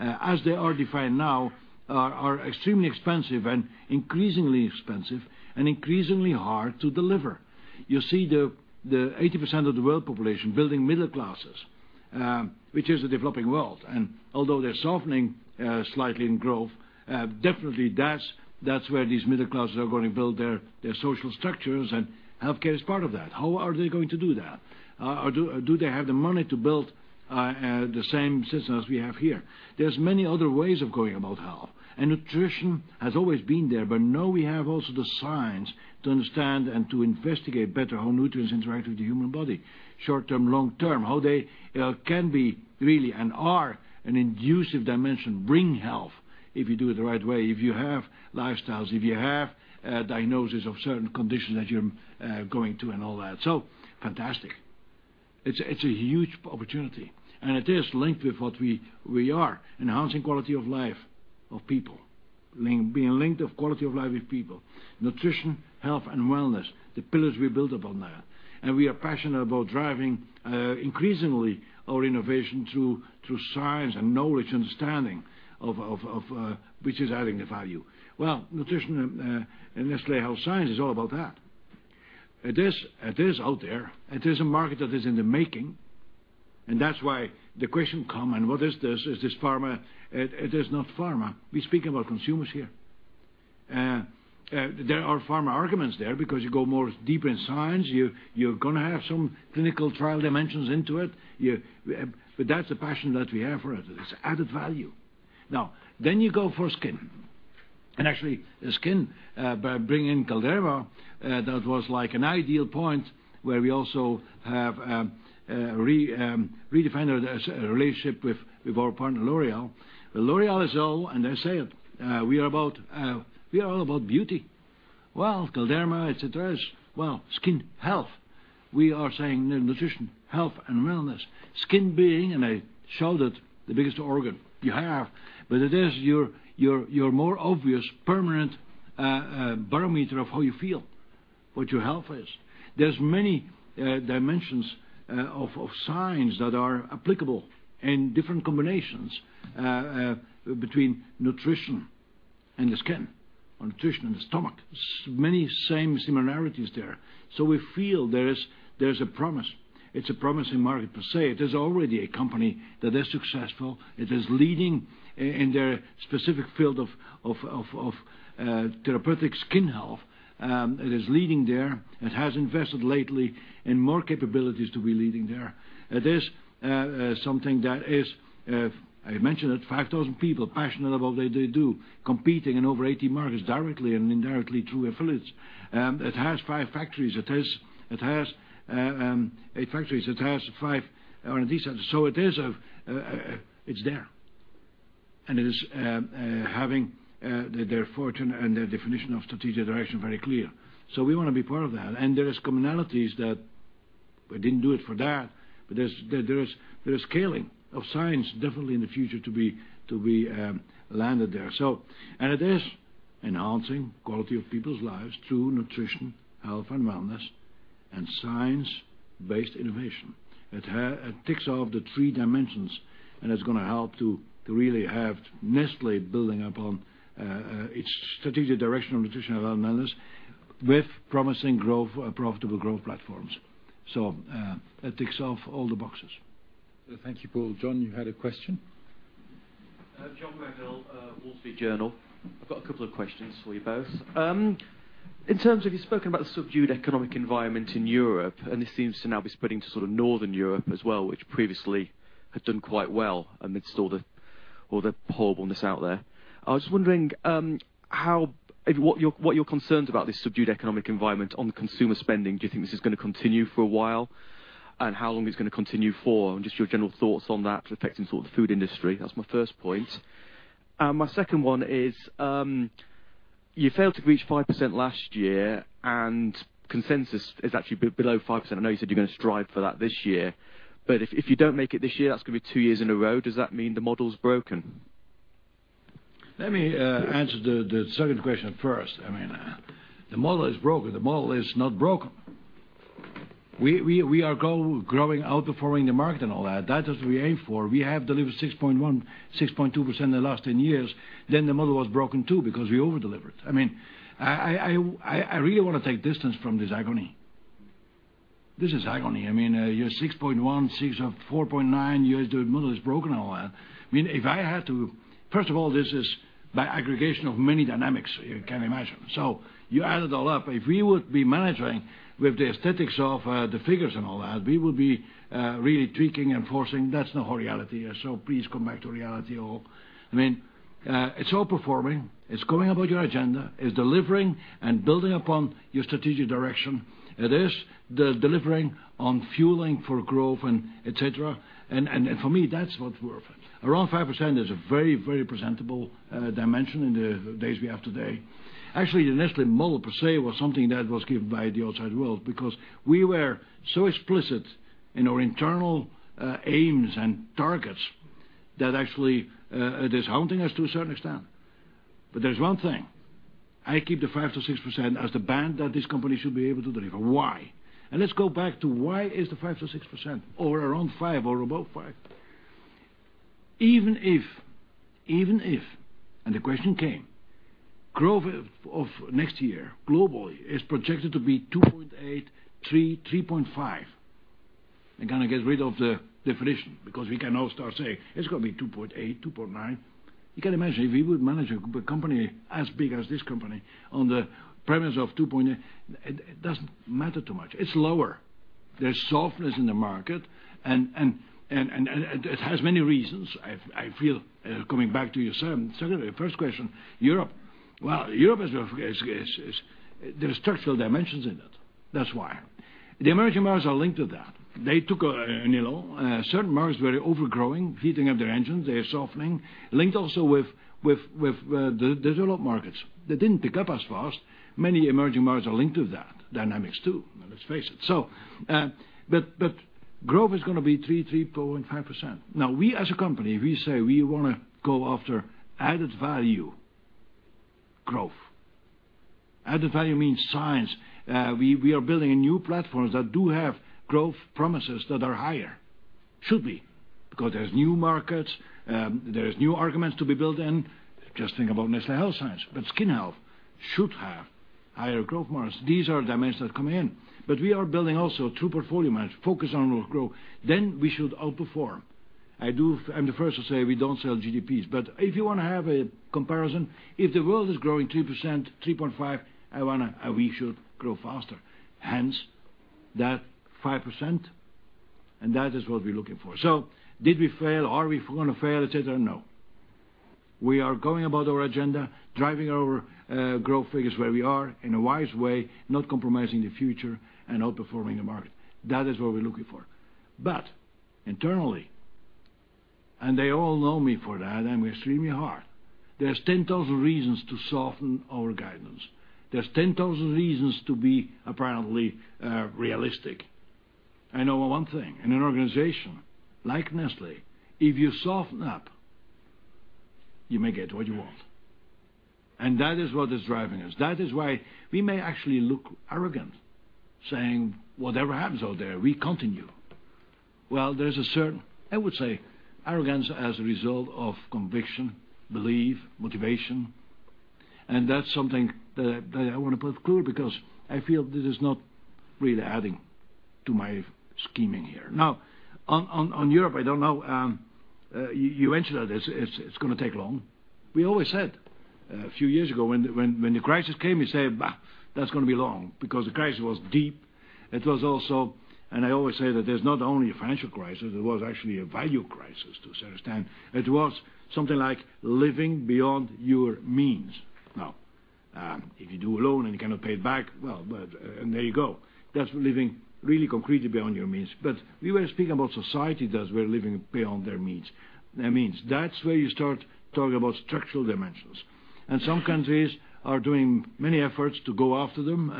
as they are defined now, are extremely expensive and increasingly expensive and increasingly hard to deliver. You see the 80% of the world population building middle classes, which is the developing world. Although they're softening slightly in growth, definitely that's where these middle classes are going to build their social structures, healthcare is part of that. How are they going to do that? Do they have the money to build the same systems as we have here? There's many other ways of going about health. Nutrition has always been there, now we have also the science to understand and to investigate better how nutrients interact with the human body, short term, long term. How they can be really and are an inducive dimension, bring health if you do it the right way, if you have lifestyles, if you have diagnoses of certain conditions that you're going to and all that. Fantastic. It's a huge opportunity, it is linked with what we are, enhancing quality of life of people, being linked of quality of life with people. Nutrition, health, and wellness, the pillars we build upon there. We are passionate about driving increasingly our innovation through science and knowledge, understanding of which is adding the value. Well, nutrition and Nestlé Health Science is all about that. It is out there. It is a market that is in the making, that's why the question come, what is this? Is this pharma? It is not pharma. We're speaking about consumers here. There are pharma arguments there because you go more deeper in science. You're going to have some clinical trial dimensions into it. That's the passion that we have for it. It's added value. You go for skin. Actually, skin, by bringing Galderma, that was like an ideal point where we also have redefined our relationship with our partner, L'Oréal. L'Oréal is all, and they say it, we are all about beauty. Galderma, it addresses well, skin health. We are saying nutrition, health, and wellness. Skin being, and I showed it, the biggest organ you have, but it is your more obvious permanent barometer of how you feel, what your health is. There's many dimensions of signs that are applicable in different combinations between nutrition and the skin or nutrition and the stomach. Many same similarities there. We feel there's a promise. It's a promising market per se. It is already a company that is successful. It is leading in their specific field of therapeutic skin health. It is leading there. It has invested lately in more capabilities to be leading there. It is something that is, I mentioned it, 5,000 people passionate about what they do, competing in over 80 markets directly and indirectly through affiliates. It has five factories. It has eight factories. It has five R&D centers. It's there, and it is having their fortune and their definition of strategic direction very clear. We want to be part of that. There is commonalities that we didn't do it for that, but there is scaling of science definitely in the future to be landed there. It is enhancing quality of people's lives through nutrition, health, and wellness, and science-based innovation. It ticks off the three dimensions, and it's going to help to really have Nestlé building upon its strategic direction of nutrition of health and wellness with promising profitable growth platforms. It ticks off all the boxes. Thank you, Paul. John, you had a question? John Revill, The Wall Street Journal. I've got a couple of questions for you both. In terms of you've spoken about the subdued economic environment in Europe. This seems to now be spreading to sort of Northern Europe as well, which previously had done quite well amidst all the horribleness out there. I was wondering what you're concerned about this subdued economic environment on consumer spending. Do you think this is going to continue for a while? How long it's going to continue for? Just your general thoughts on that affecting sort of the food industry. That's my first point. My second one is, you failed to reach 5% last year. Consensus is actually below 5%. I know you said you're going to strive for that this year, if you don't make it this year, that's going to be two years in a row. Does that mean the model's broken? Let me answer the second question first. I mean, the model is broken. The model is not broken. We are growing, outperforming the market and all that. That is what we aim for. We have delivered 6.1%, 6.2% in the last 10 years. The model was broken too, because we over-delivered. I really want to take distance from this agony. This is agony. You're 6.1%, 4.9%, you hear the model is broken and all that. First of all, this is by aggregation of many dynamics, you can imagine. You add it all up. If we would be managing with the aesthetics of the figures and all that, we would be really tweaking and forcing. That's not our reality. Please come back to reality all. It's outperforming, it's going about your agenda, it's delivering and building upon your strategic direction. It is delivering on fueling for growth, and et cetera. For me, that's what we're Around 5% is a very presentable dimension in the days we have today. Actually, the Nestlé model per se was something that was given by the outside world, because we were so explicit in our internal aims and targets that actually it is hounding us to a certain extent. There's one thing, I keep the 5%-6% as the band that this company should be able to deliver. Why? Let's go back to why is the 5%-6% or around five or above five? Even if, the question came, growth of next year globally is projected to be 2.8%, 3%, 3.5%. I kind of get rid of the definition because we can now start saying, "It's going to be 2.8%, 2.9%." You can imagine if we would manage a company as big as this company on the premise of 2.8%, it doesn't matter too much. It's lower. There's softness in the market, and it has many reasons. I feel, coming back to your first question, Europe. Europe, there is structural dimensions in it. That's why. The emerging markets are linked to that. They took a needle. Certain markets were overgrowing, heating up their engines. They are softening, linked also with the developed markets, that didn't pick up as fast. Many emerging markets are linked to that dynamics too, let's face it. Growth is going to be 3%, 3.5%. We as a company, we say we want to go after added value growth. Added value means science. We are building new platforms that do have growth promises that are higher. Should be, because there's new markets, there's new arguments to be built in. Just think about Nestlé Health Science. Skin health should have higher growth markets. These are dimensions that come in. We are building also through portfolio management, focus on growth. We should outperform. I'm the first to say we don't sell GDPs, but if you want to have a comparison, if the world is growing 3%, 3.5%, we should grow faster. Hence, that 5%, and that is what we're looking for. Did we fail? Are we going to fail, et cetera? No. We are going about our agenda, driving our growth figures where we are in a wise way, not compromising the future and outperforming the market. That is what we're looking for. Internally, and they all know me for that, I'm extremely hard. There's 10,000 reasons to soften our guidance. There's 10,000 reasons to be apparently realistic. I know one thing, in an organization like Nestlé, if you soften up, you may get what you want, and that is what is driving us. That is why we may actually look arrogant, saying, "Whatever happens out there, we continue." Well, there's a certain, I would say, arrogance as a result of conviction, belief, motivation, and that's something that I want to put clear because I feel this is not really adding to my scheming here. On Europe, I don't know. You mentioned that it's going to take long. We always said a few years ago when the crisis came, we said, "That's going to be long," because the crisis was deep. It was also, I always say that there's not only a financial crisis, there was actually a value crisis to a certain extent. It was something like living beyond your means. If you do a loan and you cannot pay it back, well, there you go. That's living really concretely beyond your means. We were speaking about society that were living beyond their means. That's where you start talking about structural dimensions. Some countries are doing many efforts to go after them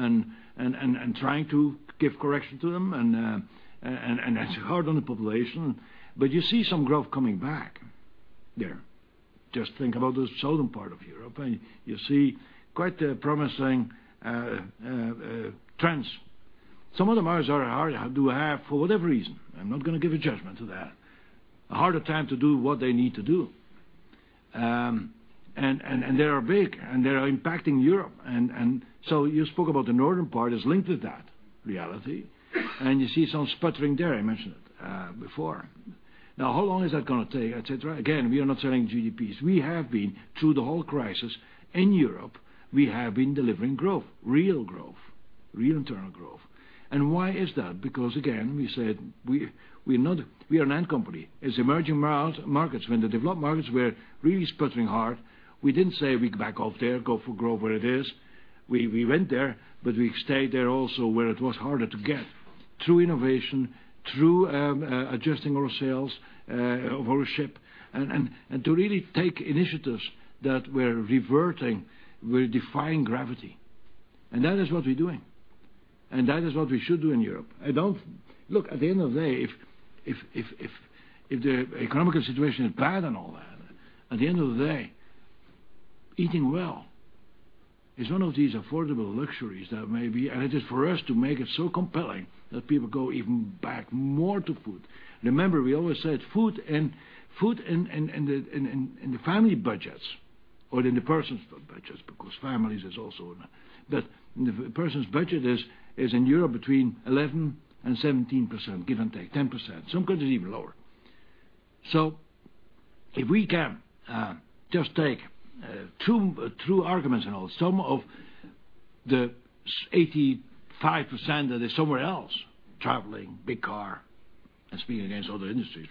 and trying to give correction to them, and that's hard on the population. You see some growth coming back there. Just think about the southern part of Europe, and you see quite promising trends. Some of the markets are harder to have for whatever reason. I'm not going to give a judgment to that. A harder time to do what they need to do. They are big, they are impacting Europe. You spoke about the northern part is linked to that reality, you see some sputtering there, I mentioned it before. How long is that going to take, et cetera? Again, we are not selling GDPs. We have been through the whole crisis in Europe. We have been delivering growth, real growth, real internal growth. Why is that? Because again, we said we are an end company. As emerging markets, when the developed markets were really sputtering hard, we didn't say we back off there, go for growth where it is. We went there, but we stayed there also where it was harder to get through innovation, through adjusting our sails of our ship, and to really take initiatives that we're reverting, we're defying gravity. That is what we're doing, that is what we should do in Europe. Look, at the end of the day, if the economical situation is bad and all that, at the end of the day, eating well is one of these affordable luxuries that maybe, it is for us to make it so compelling that people go even back more to food. Remember, we always said food in the family budgets, or in the personal budgets, because families is also in that. The person's budget is in Europe between 11% and 17%, give and take 10%. Some countries even lower. If we can just take true arguments and all, some of the 85% that is somewhere else, traveling, big car, speaking against other industries.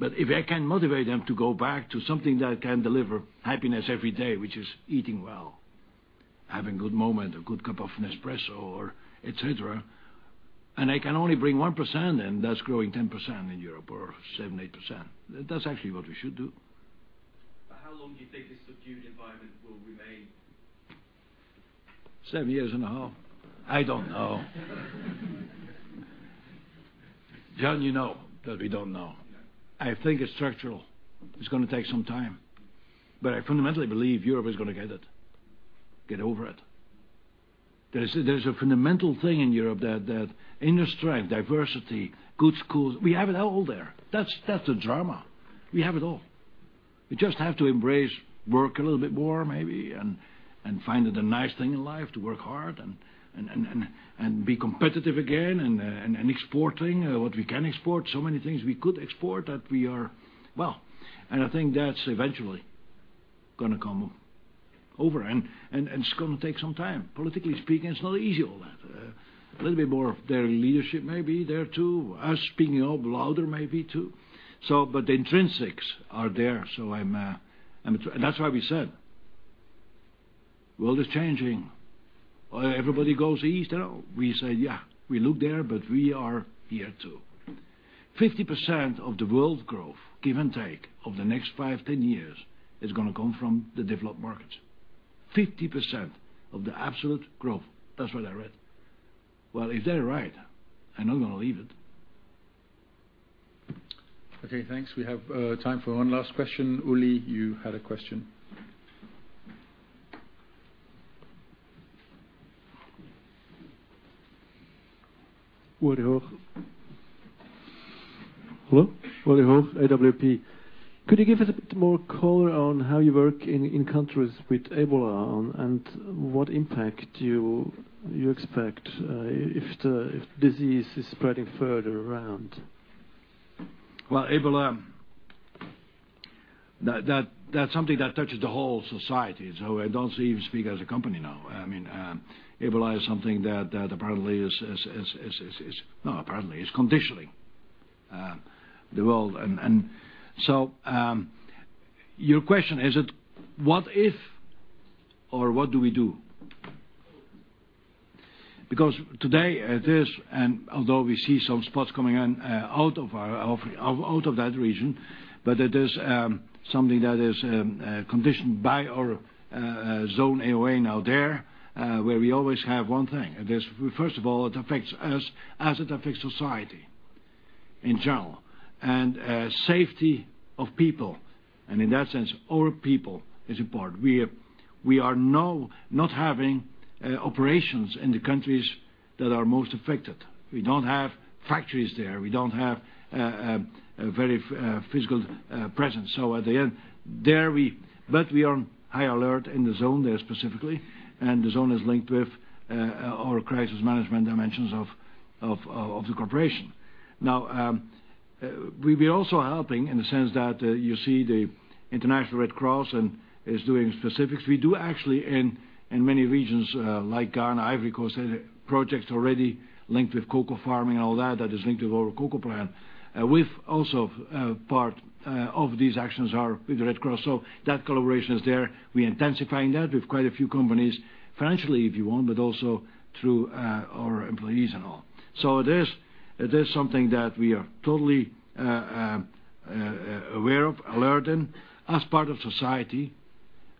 If I can motivate them to go back to something that can deliver happiness every day, which is eating well, having good moment, a good cup of Nespresso or et cetera, I can only bring 1% and that's growing 10% in Europe or 7%, 8%, that's actually what we should do. How long do you think this subdued environment will remain? Seven years and a half. I don't know. Jon, you know that we don't know. Yeah. I think it's structural. It's going to take some time, but I fundamentally believe Europe is going to get it, get over it. There's a fundamental thing in Europe that inner strength, diversity, good schools, we have it all there. That's the drama. We have it all. We just have to embrace work a little bit more maybe, and find it a nice thing in life to work hard and be competitive again and exporting what we can export. So many things we could export that we are well. I think that's eventually going to come over and it's going to take some time. Politically speaking, it's not easy all that. A little bit more of their leadership maybe there too, us speaking up louder maybe too. But the intrinsics are there. That's why we said, world is changing. Everybody goes east. We say, yeah, we look there, but we are here too. 50% of the world growth, give and take, of the next five, 10 years, is going to come from the developed markets. 50% of the absolute growth, that's what I read. Well, if they're right, I'm not going to leave it. Okay, thanks. We have time for one last question. Ueli, you had a question. Ueli Hoch. Hello? Ueli Hoch, AWP. Could you give us a bit more color on how you work in countries with Ebola and what impact do you expect if the disease is spreading further around? Well, Ebola, that is something that touches the whole society. I don't even speak as a company now. Ebola is something that apparently is, not apparently, is conditioning the world. Your question, is it what if or what do we do? Because today it is, and although we see some spots coming out of that region, but it is something that is conditioned by our Zone AOA now there, where we always have one thing. First of all, it affects us as it affects society in general. Safety of people, and in that sense, our people is important. We are now not having operations in the countries that are most affected. We don't have factories there. We don't have a very physical presence. At the end, but we are on high alert in the zone there specifically, and the zone is linked with our crisis management dimensions of the corporation. We're also helping in the sense that you see the International Red Cross and is doing specifics. We do actually in many regions, like Ghana, Ivory Coast, projects already linked with cocoa farming, all that is linked with our cocoa plan. With also part of these actions are with the Red Cross. That collaboration is there. We're intensifying that with quite a few companies, financially, if you want, but also through our employees and all. It is something that we are totally aware of, alert in as part of society.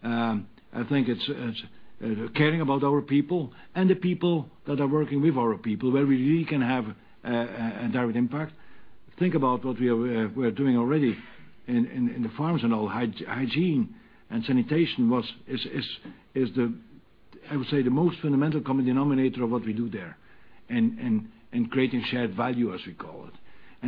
I think it's caring about our people and the people that are working with our people where we really can have a direct impact. Think about what we're doing already in the farms and all, hygiene and sanitation is I would say the most fundamental common denominator of what we do there and creating shared value as we call it.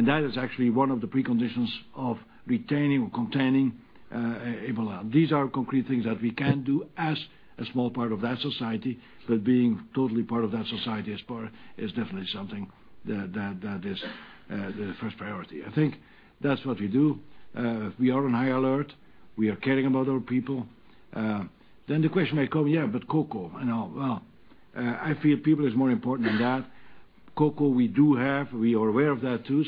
That is actually one of the preconditions of retaining or containing Ebola. These are concrete things that we can do as a small part of that society, but being totally part of that society as part is definitely something that is the first priority. I think that's what we do. We are on high alert. We are caring about our people. The question may come, yeah, but cocoa and all. Well, I feel people is more important than that. Cocoa, we do have, we are aware of that too.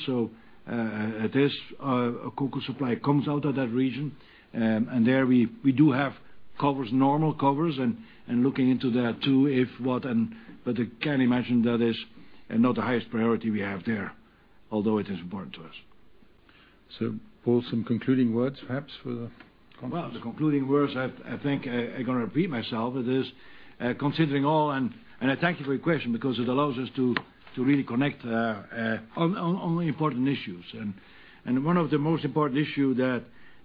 It is a cocoa supply comes out of that region, and there we do have normal covers and looking into that too, but I can imagine that is not the highest priority we have there, although it is important to us. Paul, some concluding words perhaps for the conference? The concluding words, I think I'm going to repeat myself. It is considering all, and I thank you for your question because it allows us to really connect on the important issue. One of the most important issue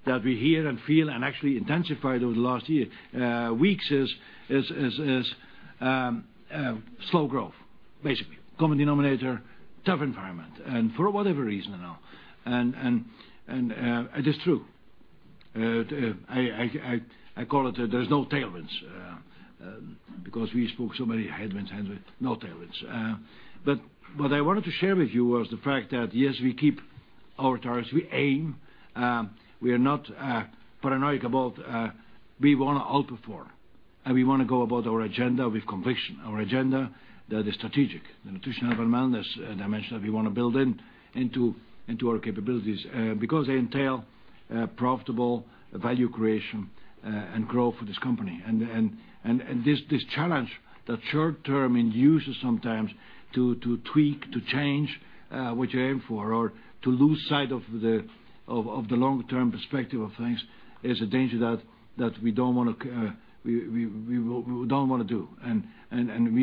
that we hear and feel and actually intensified over the last weeks is slow growth. Basically, common denominator, tough environment, and for whatever reason. It is true. I call it there's no tailwinds, because we spoke so many headwinds. No tailwinds. What I wanted to share with you was the fact that, yes, we keep our targets, we aim. We are not paranoiac about we want to outperform, and we want to go about our agenda with conviction. Our agenda that is strategic, the nutritional, wellness dimension that we want to build into our capabilities, because they entail profitable value creation, and growth for this company. This challenge that short term induces sometimes to tweak, to change, what you aim for or to lose sight of the long-term perspective of things is a danger that we don't want to do. We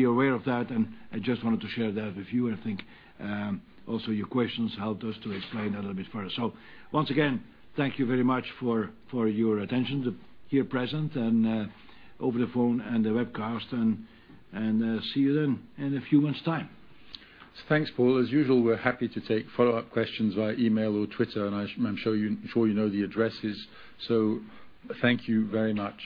are aware of that, and I just wanted to share that with you. I think, also your questions helped us to explain a little bit further. Once again, thank you very much for your attention here present and over the phone and the webcast and see you then in a few months' time. Thanks, Paul. As usual, we're happy to take follow-up questions via email or Twitter, and I'm sure you know the addresses. Thank you very much.